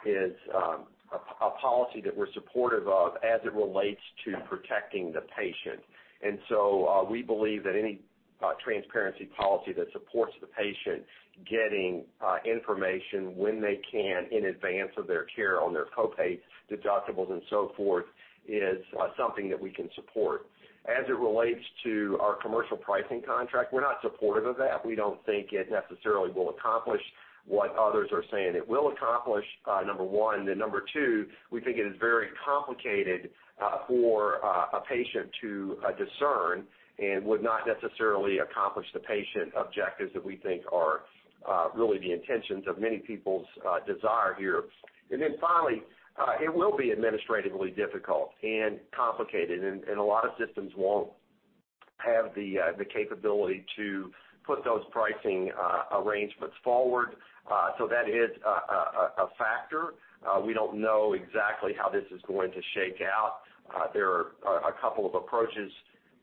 Speaker 3: is a policy that we're supportive of as it relates to protecting the patient. We believe that any transparency policy that supports the patient getting information when they can in advance of their care on their co-pays, deductibles, and so forth, is something that we can support. As it relates to our commercial pricing contract, we're not supportive of that. We don't think it necessarily will accomplish what others are saying it will accomplish, number one. Number two, we think it is very complicated for a patient to discern and would not necessarily accomplish the patient objectives that we think are really the intentions of many people's desire here. Finally, it will be administratively difficult and complicated, and a lot of systems won't have the capability to put those pricing arrangements forward. That is a factor. We don't know exactly how this is going to shake out. There are a couple of approaches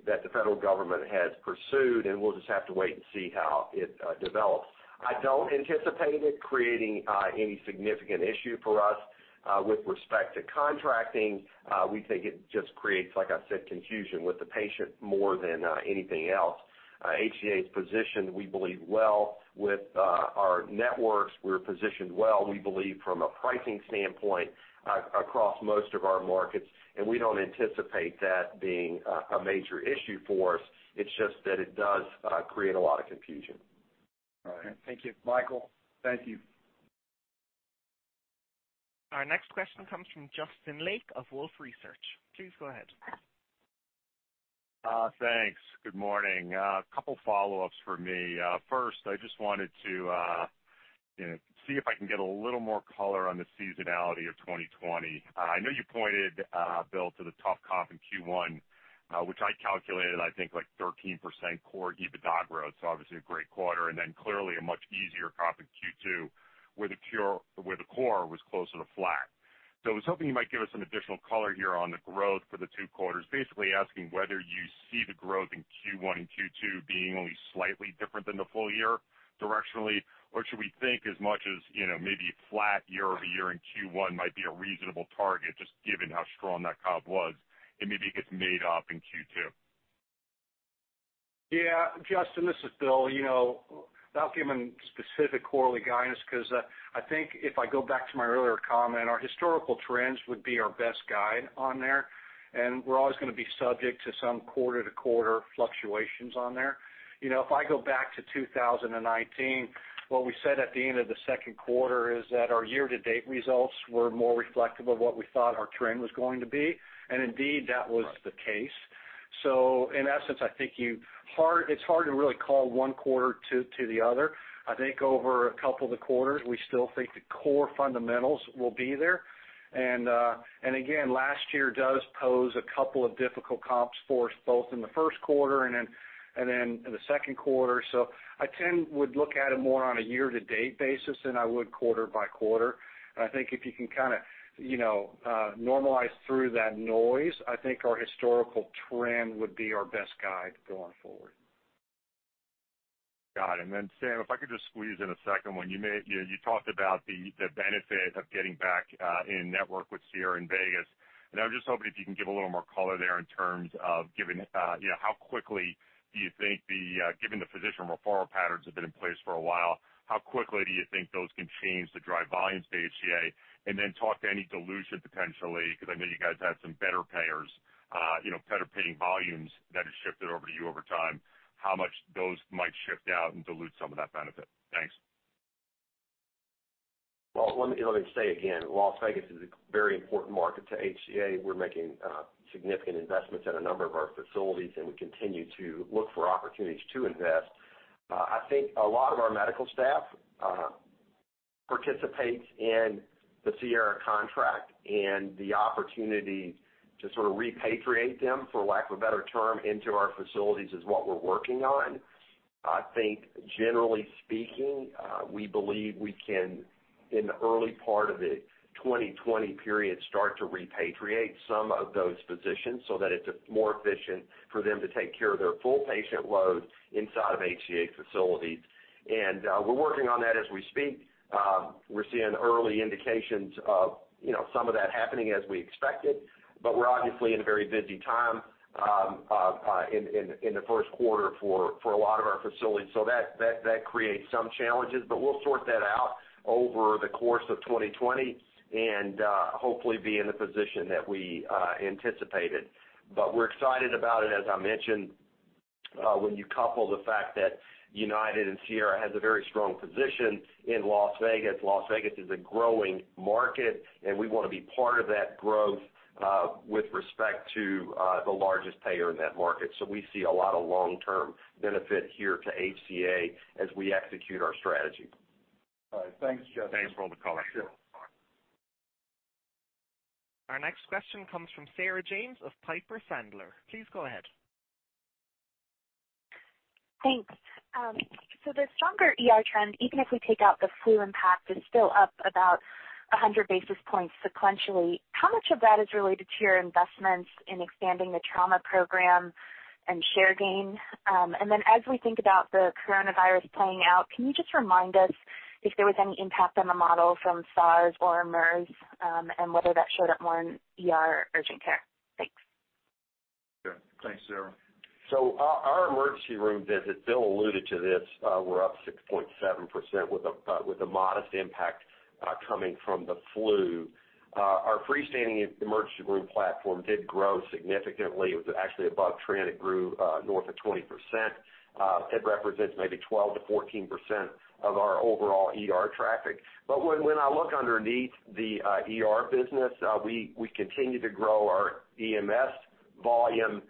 Speaker 3: that the federal government has pursued. We'll just have to wait and see how it develops. I don't anticipate it creating any significant issue for us with respect to contracting. We think it just creates, like I said, confusion with the patient more than anything else. HCA is positioned, we believe, well with our networks. We're positioned well, we believe, from a pricing standpoint across most of our markets. We don't anticipate that being a major issue for us. It's just that it does create a lot of confusion.
Speaker 15: All right. Thank you.
Speaker 3: Michael, thank you.
Speaker 1: Our next question comes from Justin Lake of Wolfe Research. Please go ahead.
Speaker 16: Thanks. Good morning. A couple follow-ups for me. I just wanted to see if I can get a little more color on the seasonality of 2020. I know you pointed, Bill, to the tough comp in Q1, which I calculated, I think like 13% core EBITDA growth. Obviously a great quarter, and then clearly a much easier comp in Q2 where the core was closer to flat. I was hoping you might give us some additional color here on the growth for the two quarters. Basically asking whether you see the growth in Q1 and Q2 being only slightly different than the full-year directionally, or should we think as much as maybe flat year-over-year in Q1 might be a reasonable target, just given how strong that comp was, and maybe it gets made up in Q2?
Speaker 4: Yeah. Justin, this is Bill. Not giving specific quarterly guidance because I think if I go back to my earlier comment, our historical trends would be our best guide on there, and we're always going to be subject to some quarter-to-quarter fluctuations on there. If I go back to 2019, what we said at the end of the second quarter is that our year-to-date results were more reflective of what we thought our trend was going to be. Indeed, that was the case. In essence, I think it's hard to really call one quarter to the other. I think over a couple of quarters, we still think the core fundamentals will be there. Again, last year does pose a couple of difficult comps for us, both in the first quarter and then in the second quarter. I tend would look at it more on a year-to-date basis than I would quarter by quarter. I think if you can normalize through that noise, I think our historical trend would be our best guide going forward.
Speaker 16: Got it. Sam, if I could just squeeze in a second one. You talked about the benefit of getting back in-network with Sierra in Vegas, and I was just hoping if you can give a little more color there in terms of how quickly do you think given the physician referral patterns have been in place for a while, how quickly do you think those can change to drive volumes to HCA? Talk to any dilution potentially, because I know you guys had some better paying volumes that have shifted over to you over time, how much those might shift out and dilute some of that benefit. Thanks.
Speaker 3: Well, let me say again, Las Vegas is a very important market to HCA. We're making significant investments in a number of our facilities, and we continue to look for opportunities to invest. I think a lot of our medical staff participates in the Sierra contract and the opportunity to sort of repatriate them, for lack of a better term, into our facilities is what we're working on. I think generally speaking, we believe we can, in the early part of the 2020 period, start to repatriate some of those physicians so that it's more efficient for them to take care of their full patient load inside of HCA facilities. We're working on that as we speak. We're seeing early indications of some of that happening as we expected, but we're obviously in a very busy time in the first quarter for a lot of our facilities. That creates some challenges, but we'll sort that out over the course of 2020 and hopefully be in the position that we anticipated. We're excited about it, as I mentioned, when you couple the fact that United and Sierra has a very strong position in Las Vegas. Las Vegas is a growing market, and we want to be part of that growth with respect to the largest payer in that market. We see a lot of long-term benefit here to HCA as we execute our strategy.
Speaker 4: All right. Thanks, Justin.
Speaker 16: Thanks for all the color.
Speaker 4: Sure.
Speaker 1: Our next question comes from Sarah James of Piper Sandler. Please go ahead.
Speaker 17: Thanks. The stronger ER trend, even if we take out the flu impact, is still up about 100 basis points sequentially. How much of that is related to your investments in expanding the trauma program and share gain? As we think about the coronavirus playing out, can you just remind us if there was any impact on the model from SARS or MERS, and whether that showed up more in ER or urgent care? Thanks.
Speaker 4: Sure. Thanks, Sarah.
Speaker 3: Our emergency room visits, Bill alluded to this, were up 6.7% with a modest impact coming from the flu. Our freestanding emergency room platform did grow significantly. It was actually above trend. It grew north of 20%. It represents maybe 12%-14% of our overall ER traffic. When I look underneath the ER business, we continue to grow our EMS volume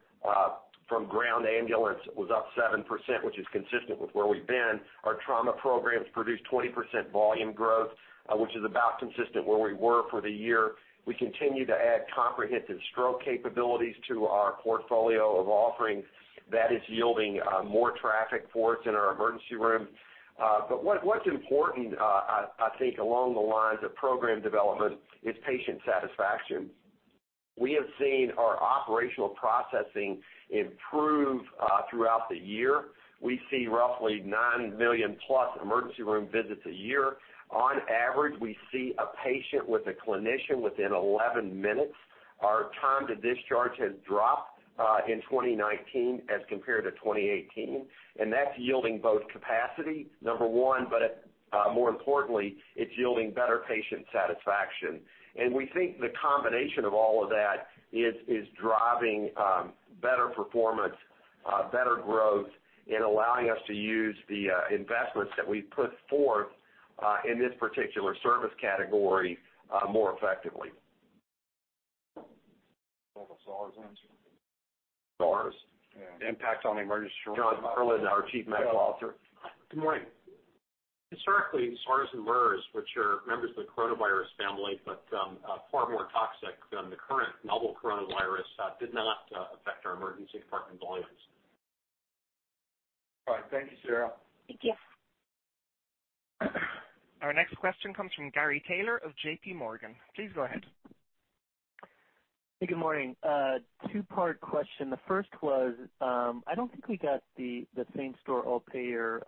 Speaker 3: from ground ambulance was up 7%, which is consistent with where we've been. Our trauma programs produced 20% volume growth, which is about consistent where we were for the year. We continue to add comprehensive stroke capabilities to our portfolio of offerings. That is yielding more traffic for us in our emergency room. What's important, I think along the lines of program development, is patient satisfaction. We have seen our operational processing improve throughout the year. We see roughly 9 million plus emergency room visits a year. On average, we see a patient with a clinician within 11 minutes. Our time to discharge has dropped in 2019 as compared to 2018. That's yielding both capacity, number one, but more importantly, it's yielding better patient satisfaction. We think the combination of all of that is driving better performance, better growth, and allowing us to use the investments that we've put forth in this particular service category more effectively.
Speaker 4: All the SARS answer?
Speaker 3: SARS?
Speaker 4: Yeah.
Speaker 3: Impacts on emergency.
Speaker 4: Jonathan Perlin, our Chief Medical Officer.
Speaker 18: Good morning. Historically, SARS and MERS, which are members of the coronavirus family, but far more toxic than the current novel coronavirus, did not affect our emergency department volumes.
Speaker 4: All right. Thank you, Sir.
Speaker 17: Thank you.
Speaker 1: Our next question comes from Gary Taylor of JPMorgan. Please go ahead.
Speaker 19: Hey, good morning. A two-part question. The first was, I don't think we got the same store all payer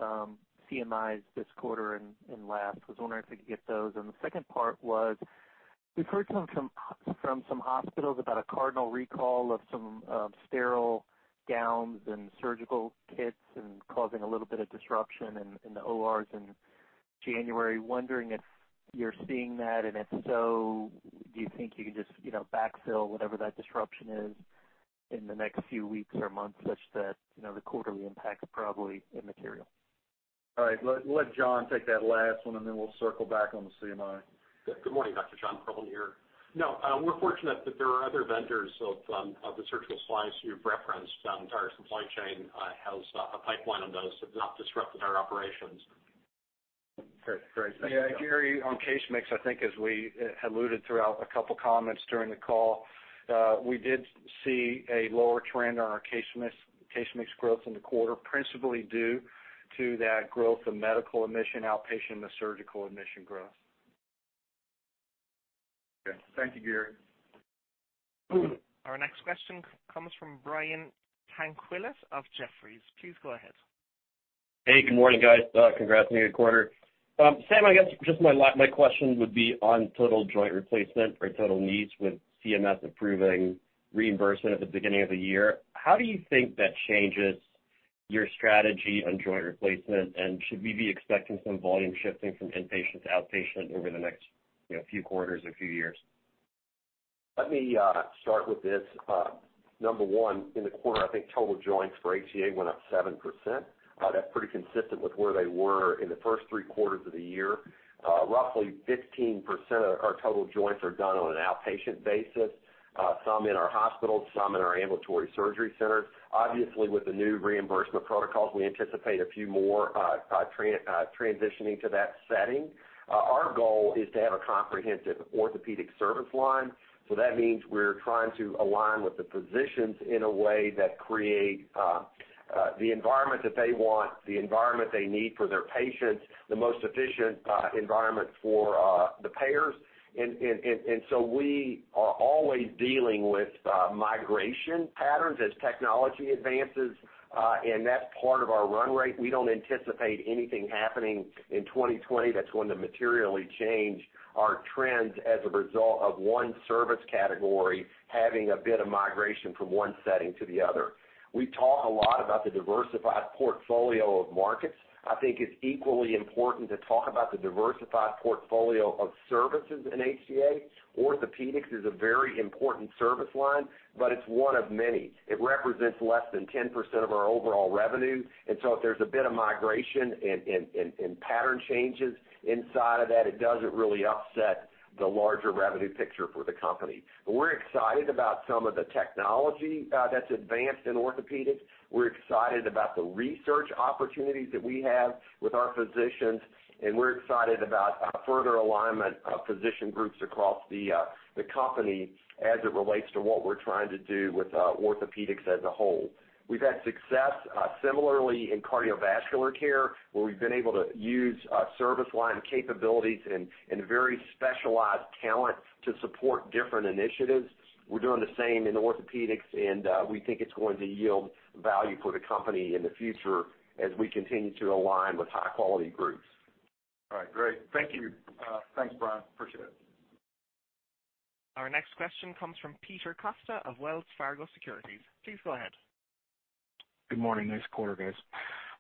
Speaker 19: CMIs this quarter and last. Was wondering if we could get those. The second part was, we've heard from some hospitals about a Cardinal recall of some sterile gowns and surgical kits and causing a little bit of disruption in the ORs in January. Wondering if you're seeing that, and if so, do you think you could just backfill whatever that disruption is in the next few weeks or months such that the quarterly impact is probably immaterial?
Speaker 4: All right. We'll let John take that last one, and then we'll circle back on the CMI.
Speaker 18: Good morning. Dr. Jonathan Perlin here. We're fortunate that there are other vendors of the surgical supplies you've referenced. Our supply chain has a pipeline on those. It's not disrupted our operations.
Speaker 19: Great. Thank you.
Speaker 3: Yeah, Gary, on case mix, I think as we alluded throughout a couple of comments during the call, we did see a lower trend on our case mix growth in the quarter, principally due to that growth of medical admission, outpatient, and surgical admission growth.
Speaker 4: Okay. Thank you, Gary.
Speaker 1: Our next question comes from Brian Tanquilut of Jefferies. Please go ahead.
Speaker 20: Hey, good morning, guys. Congrats on a good quarter. Sam, I guess just my question would be on total joint replacement or total knees with CMS approving reimbursement at the beginning of the year. How do you think that changes your strategy on joint replacement, and should we be expecting some volume shifting from inpatient to outpatient over the next few quarters or few years?
Speaker 3: Let me start with this. Number one, in the quarter, I think total joints for HCA went up 7%. That's pretty consistent with where they were in the first three quarters of the year. Roughly 15% of our total joints are done on an outpatient basis. Some in our hospitals, some in our ambulatory surgery centers. Obviously, with the new reimbursement protocols, we anticipate a few more transitioning to that setting. Our goal is to have a comprehensive orthopedic service line. That means we're trying to align with the physicians in a way that create the environment that they want, the environment they need for their patients, the most efficient environment for the payers. We are always dealing with migration patterns as technology advances, and that's part of our run rate. We don't anticipate anything happening in 2020 that's going to materially change our trends as a result of one service category having a bit of migration from one setting to the other. We talk a lot about the diversified portfolio of markets. I think it's equally important to talk about the diversified portfolio of services in HCA. Orthopedics is a very important service line. It's one of many. It represents less than 10% of our overall revenue. If there's a bit of migration and pattern changes inside of that, it doesn't really upset the larger revenue picture for the company. We're excited about some of the technology that's advanced in orthopedics. We're excited about the research opportunities that we have with our physicians, and we're excited about further alignment of physician groups across the company as it relates to what we're trying to do with orthopedics as a whole. We've had success similarly in cardiovascular care, where we've been able to use service line capabilities and very specialized talent to support different initiatives. We're doing the same in orthopedics, and we think it's going to yield value for the company in the future as we continue to align with high-quality groups.
Speaker 20: All right. Great. Thank you.
Speaker 4: Thanks, Brian. Appreciate it.
Speaker 1: Our next question comes from Peter Costa of Wells Fargo Securities. Please go ahead.
Speaker 21: Good morning. Nice quarter,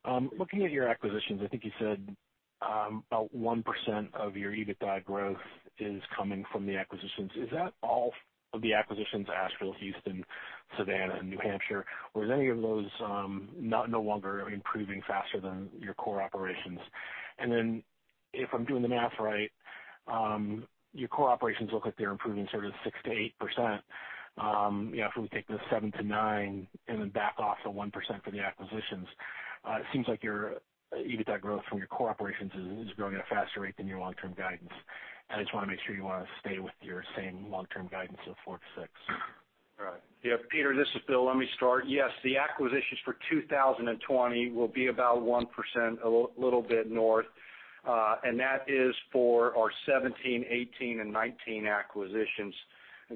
Speaker 21: guys. Looking at your acquisitions, I think you said about 1% of your EBITDA growth is coming from the acquisitions. Is that all of the acquisitions, Asheville, Houston, Savannah, and New Hampshire, or is any of those no longer improving faster than your core operations? If I'm doing the math right, your core operations look like they're improving 6%-8%. If we take the 7%-9% and then back off the 1% for the acquisitions, it seems like your EBITDA growth from your core operations is growing at a faster rate than your long-term guidance. I just want to make sure you want to stay with your same long-term guidance of 4%-6%.
Speaker 3: Right.
Speaker 4: Yeah, Peter, this is Bill. Let me start. Yes, the acquisitions for 2020 will be about 1%, a little bit north. That is for our 2017, 2018, and 2019 acquisitions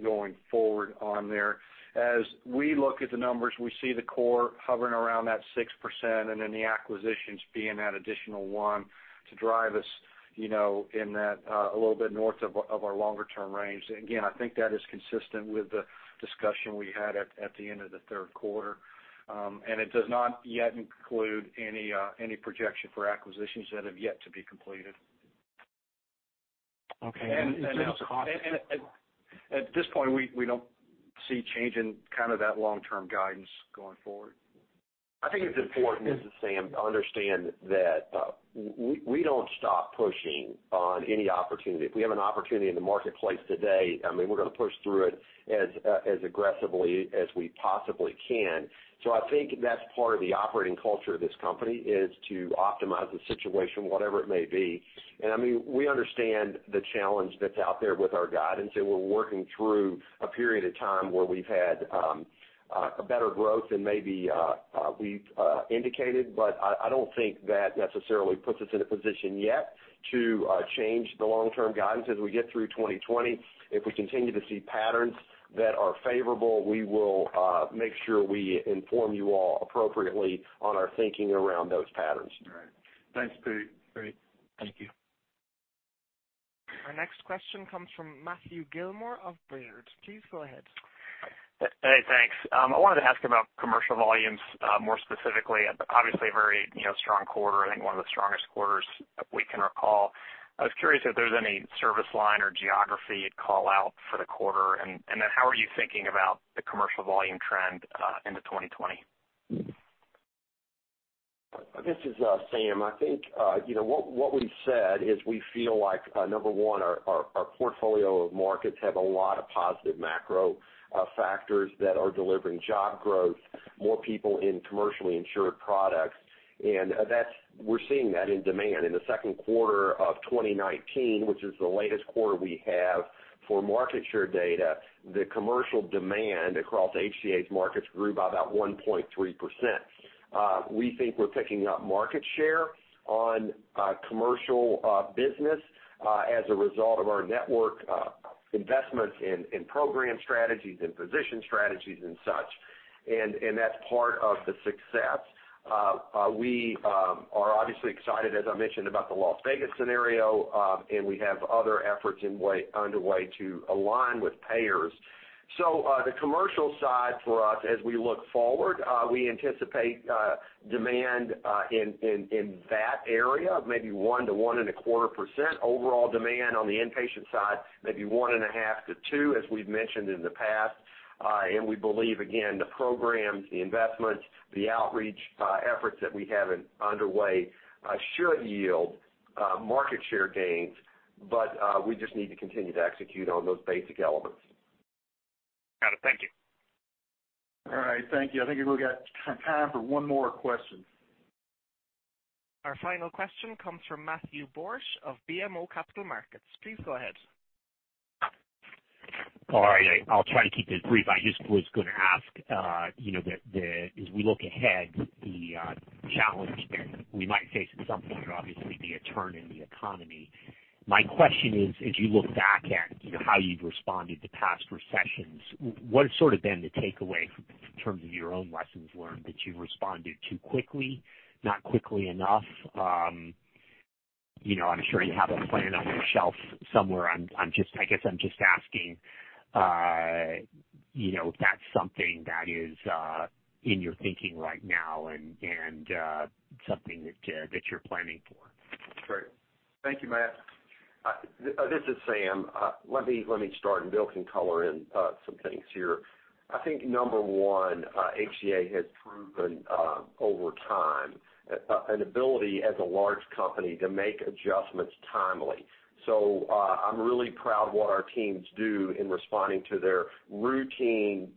Speaker 4: going forward on there. As we look at the numbers, we see the core hovering around that 6%, and then the acquisitions being that additional 1% to drive us in that a little bit north of our longer-term range. Again, I think that is consistent with the discussion we had at the end of the third quarter. It does not yet include any projection for acquisitions that have yet to be completed.
Speaker 3: Okay.
Speaker 4: At this point, we don't see change in that long-term guidance going forward.
Speaker 3: I think it's important, this is Sam, to understand that we don't stop pushing on any opportunity. If we have an opportunity in the marketplace today, we're going to push through it as aggressively as we possibly can. I think that's part of the operating culture of this company, is to optimize the situation, whatever it may be. We understand the challenge that's out there with our guidance, and we're working through a period of time where we've had better growth than maybe we've indicated. I don't think that necessarily puts us in a position yet to change the long-term guidance. As we get through 2020, if we continue to see patterns that are favorable, we will make sure we inform you all appropriately on our thinking around those patterns.
Speaker 4: All right. Thanks, Peter.
Speaker 21: Great. Thank you.
Speaker 1: Our next question comes from Matthew Gillmor of Baird. Please go ahead.
Speaker 22: Hey, thanks. I wanted to ask about commercial volumes more specifically. Obviously a very strong quarter, I think one of the strongest quarters we can recall. I was curious if there's any service line or geography you'd call out for the quarter, and then how are you thinking about the commercial volume trend into 2020?
Speaker 3: This is Sam. I think what we've said is we feel like, number one, our portfolio of markets have a lot of positive macro factors that are delivering job growth, more people in commercially insured products. We're seeing that in demand. In the second quarter of 2019, which is the latest quarter we have for market share data, the commercial demand across HCA's markets grew by about 1.3%. We think we're picking up market share on commercial business as a result of our network investments in program strategies and position strategies and such. That's part of the success. We are obviously excited, as I mentioned, about the Las Vegas scenario, and we have other efforts underway to align with payers. The commercial side for us, as we look forward, we anticipate demand in that area of maybe 1%-1.25% overall demand on the inpatient side, maybe 1.5% to 2%, as we've mentioned in the past. We believe, again, the programs, the investments, the outreach efforts that we have underway should yield market share gains. We just need to continue to execute on those basic elements.
Speaker 22: Got it. Thank you.
Speaker 4: All right, thank you. I think we've got time for one more question.
Speaker 1: Our final question comes from Matthew Borsch of BMO Capital Markets. Please go ahead.
Speaker 23: All right. I'll try to keep this brief. I just was going to ask, as we look ahead, the challenge that we might face at some point would obviously be a turn in the economy. My question is, as you look back at how you've responded to past recessions, what has sort of been the takeaway from terms of your own lessons learned, that you responded too quickly, not quickly enough? I'm sure you have a plan on your shelf somewhere. I guess I'm just asking if that's something that is in your thinking right now and something that you're planning for.
Speaker 4: Great. Thank you, Matt.
Speaker 3: This is Sam. Let me start, and Bill can color in some things here. I think number one, HCA has proven over time an ability as a large company to make adjustments timely. I'm really proud of what our teams do in responding to their routine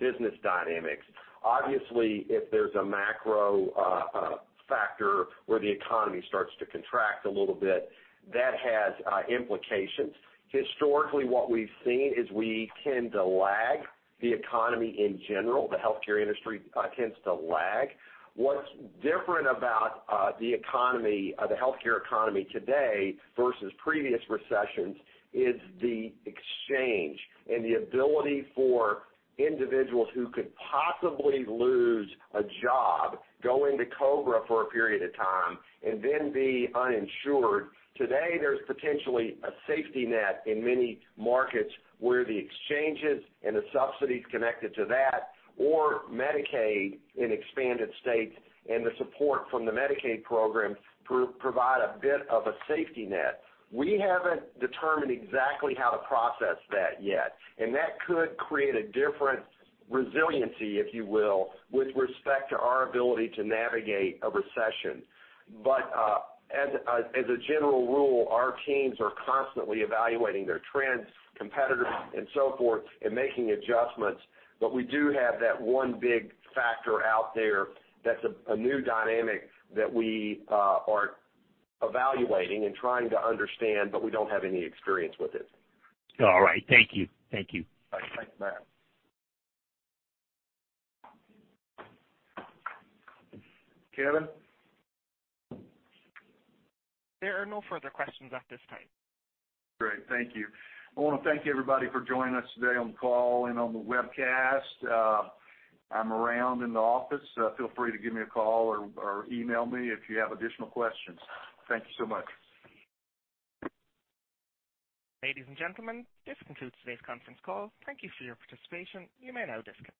Speaker 3: business dynamics. Obviously, if there's a macro factor where the economy starts to contract a little bit, that has implications. Historically, what we've seen is we tend to lag the economy in general. The healthcare industry tends to lag. What's different about the healthcare economy today versus previous recessions is the exchange, and the ability for individuals who could possibly lose a job, go into COBRA for a period of time, and then be uninsured. Today, there's potentially a safety net in many markets where the exchanges and the subsidies connected to that, or Medicaid in expanded states, and the support from the Medicaid program provide a bit of a safety net. We haven't determined exactly how to process that yet, and that could create a different resiliency, if you will, with respect to our ability to navigate a recession. As a general rule, our teams are constantly evaluating their trends, competitors, and so forth, and making adjustments. We do have that one big factor out there that's a new dynamic that we are evaluating and trying to understand, but we don't have any experience with it.
Speaker 23: All right. Thank you.
Speaker 4: Thanks, Matt. Kevin?
Speaker 1: There are no further questions at this time.
Speaker 4: Great. Thank you. I want to thank everybody for joining us today on the call and on the webcast. I'm around in the office. Feel free to give me a call or email me if you have additional questions. Thank you so much.
Speaker 1: Ladies and gentlemen, this concludes today's conference call. Thank you for your participation. You may now disconnect.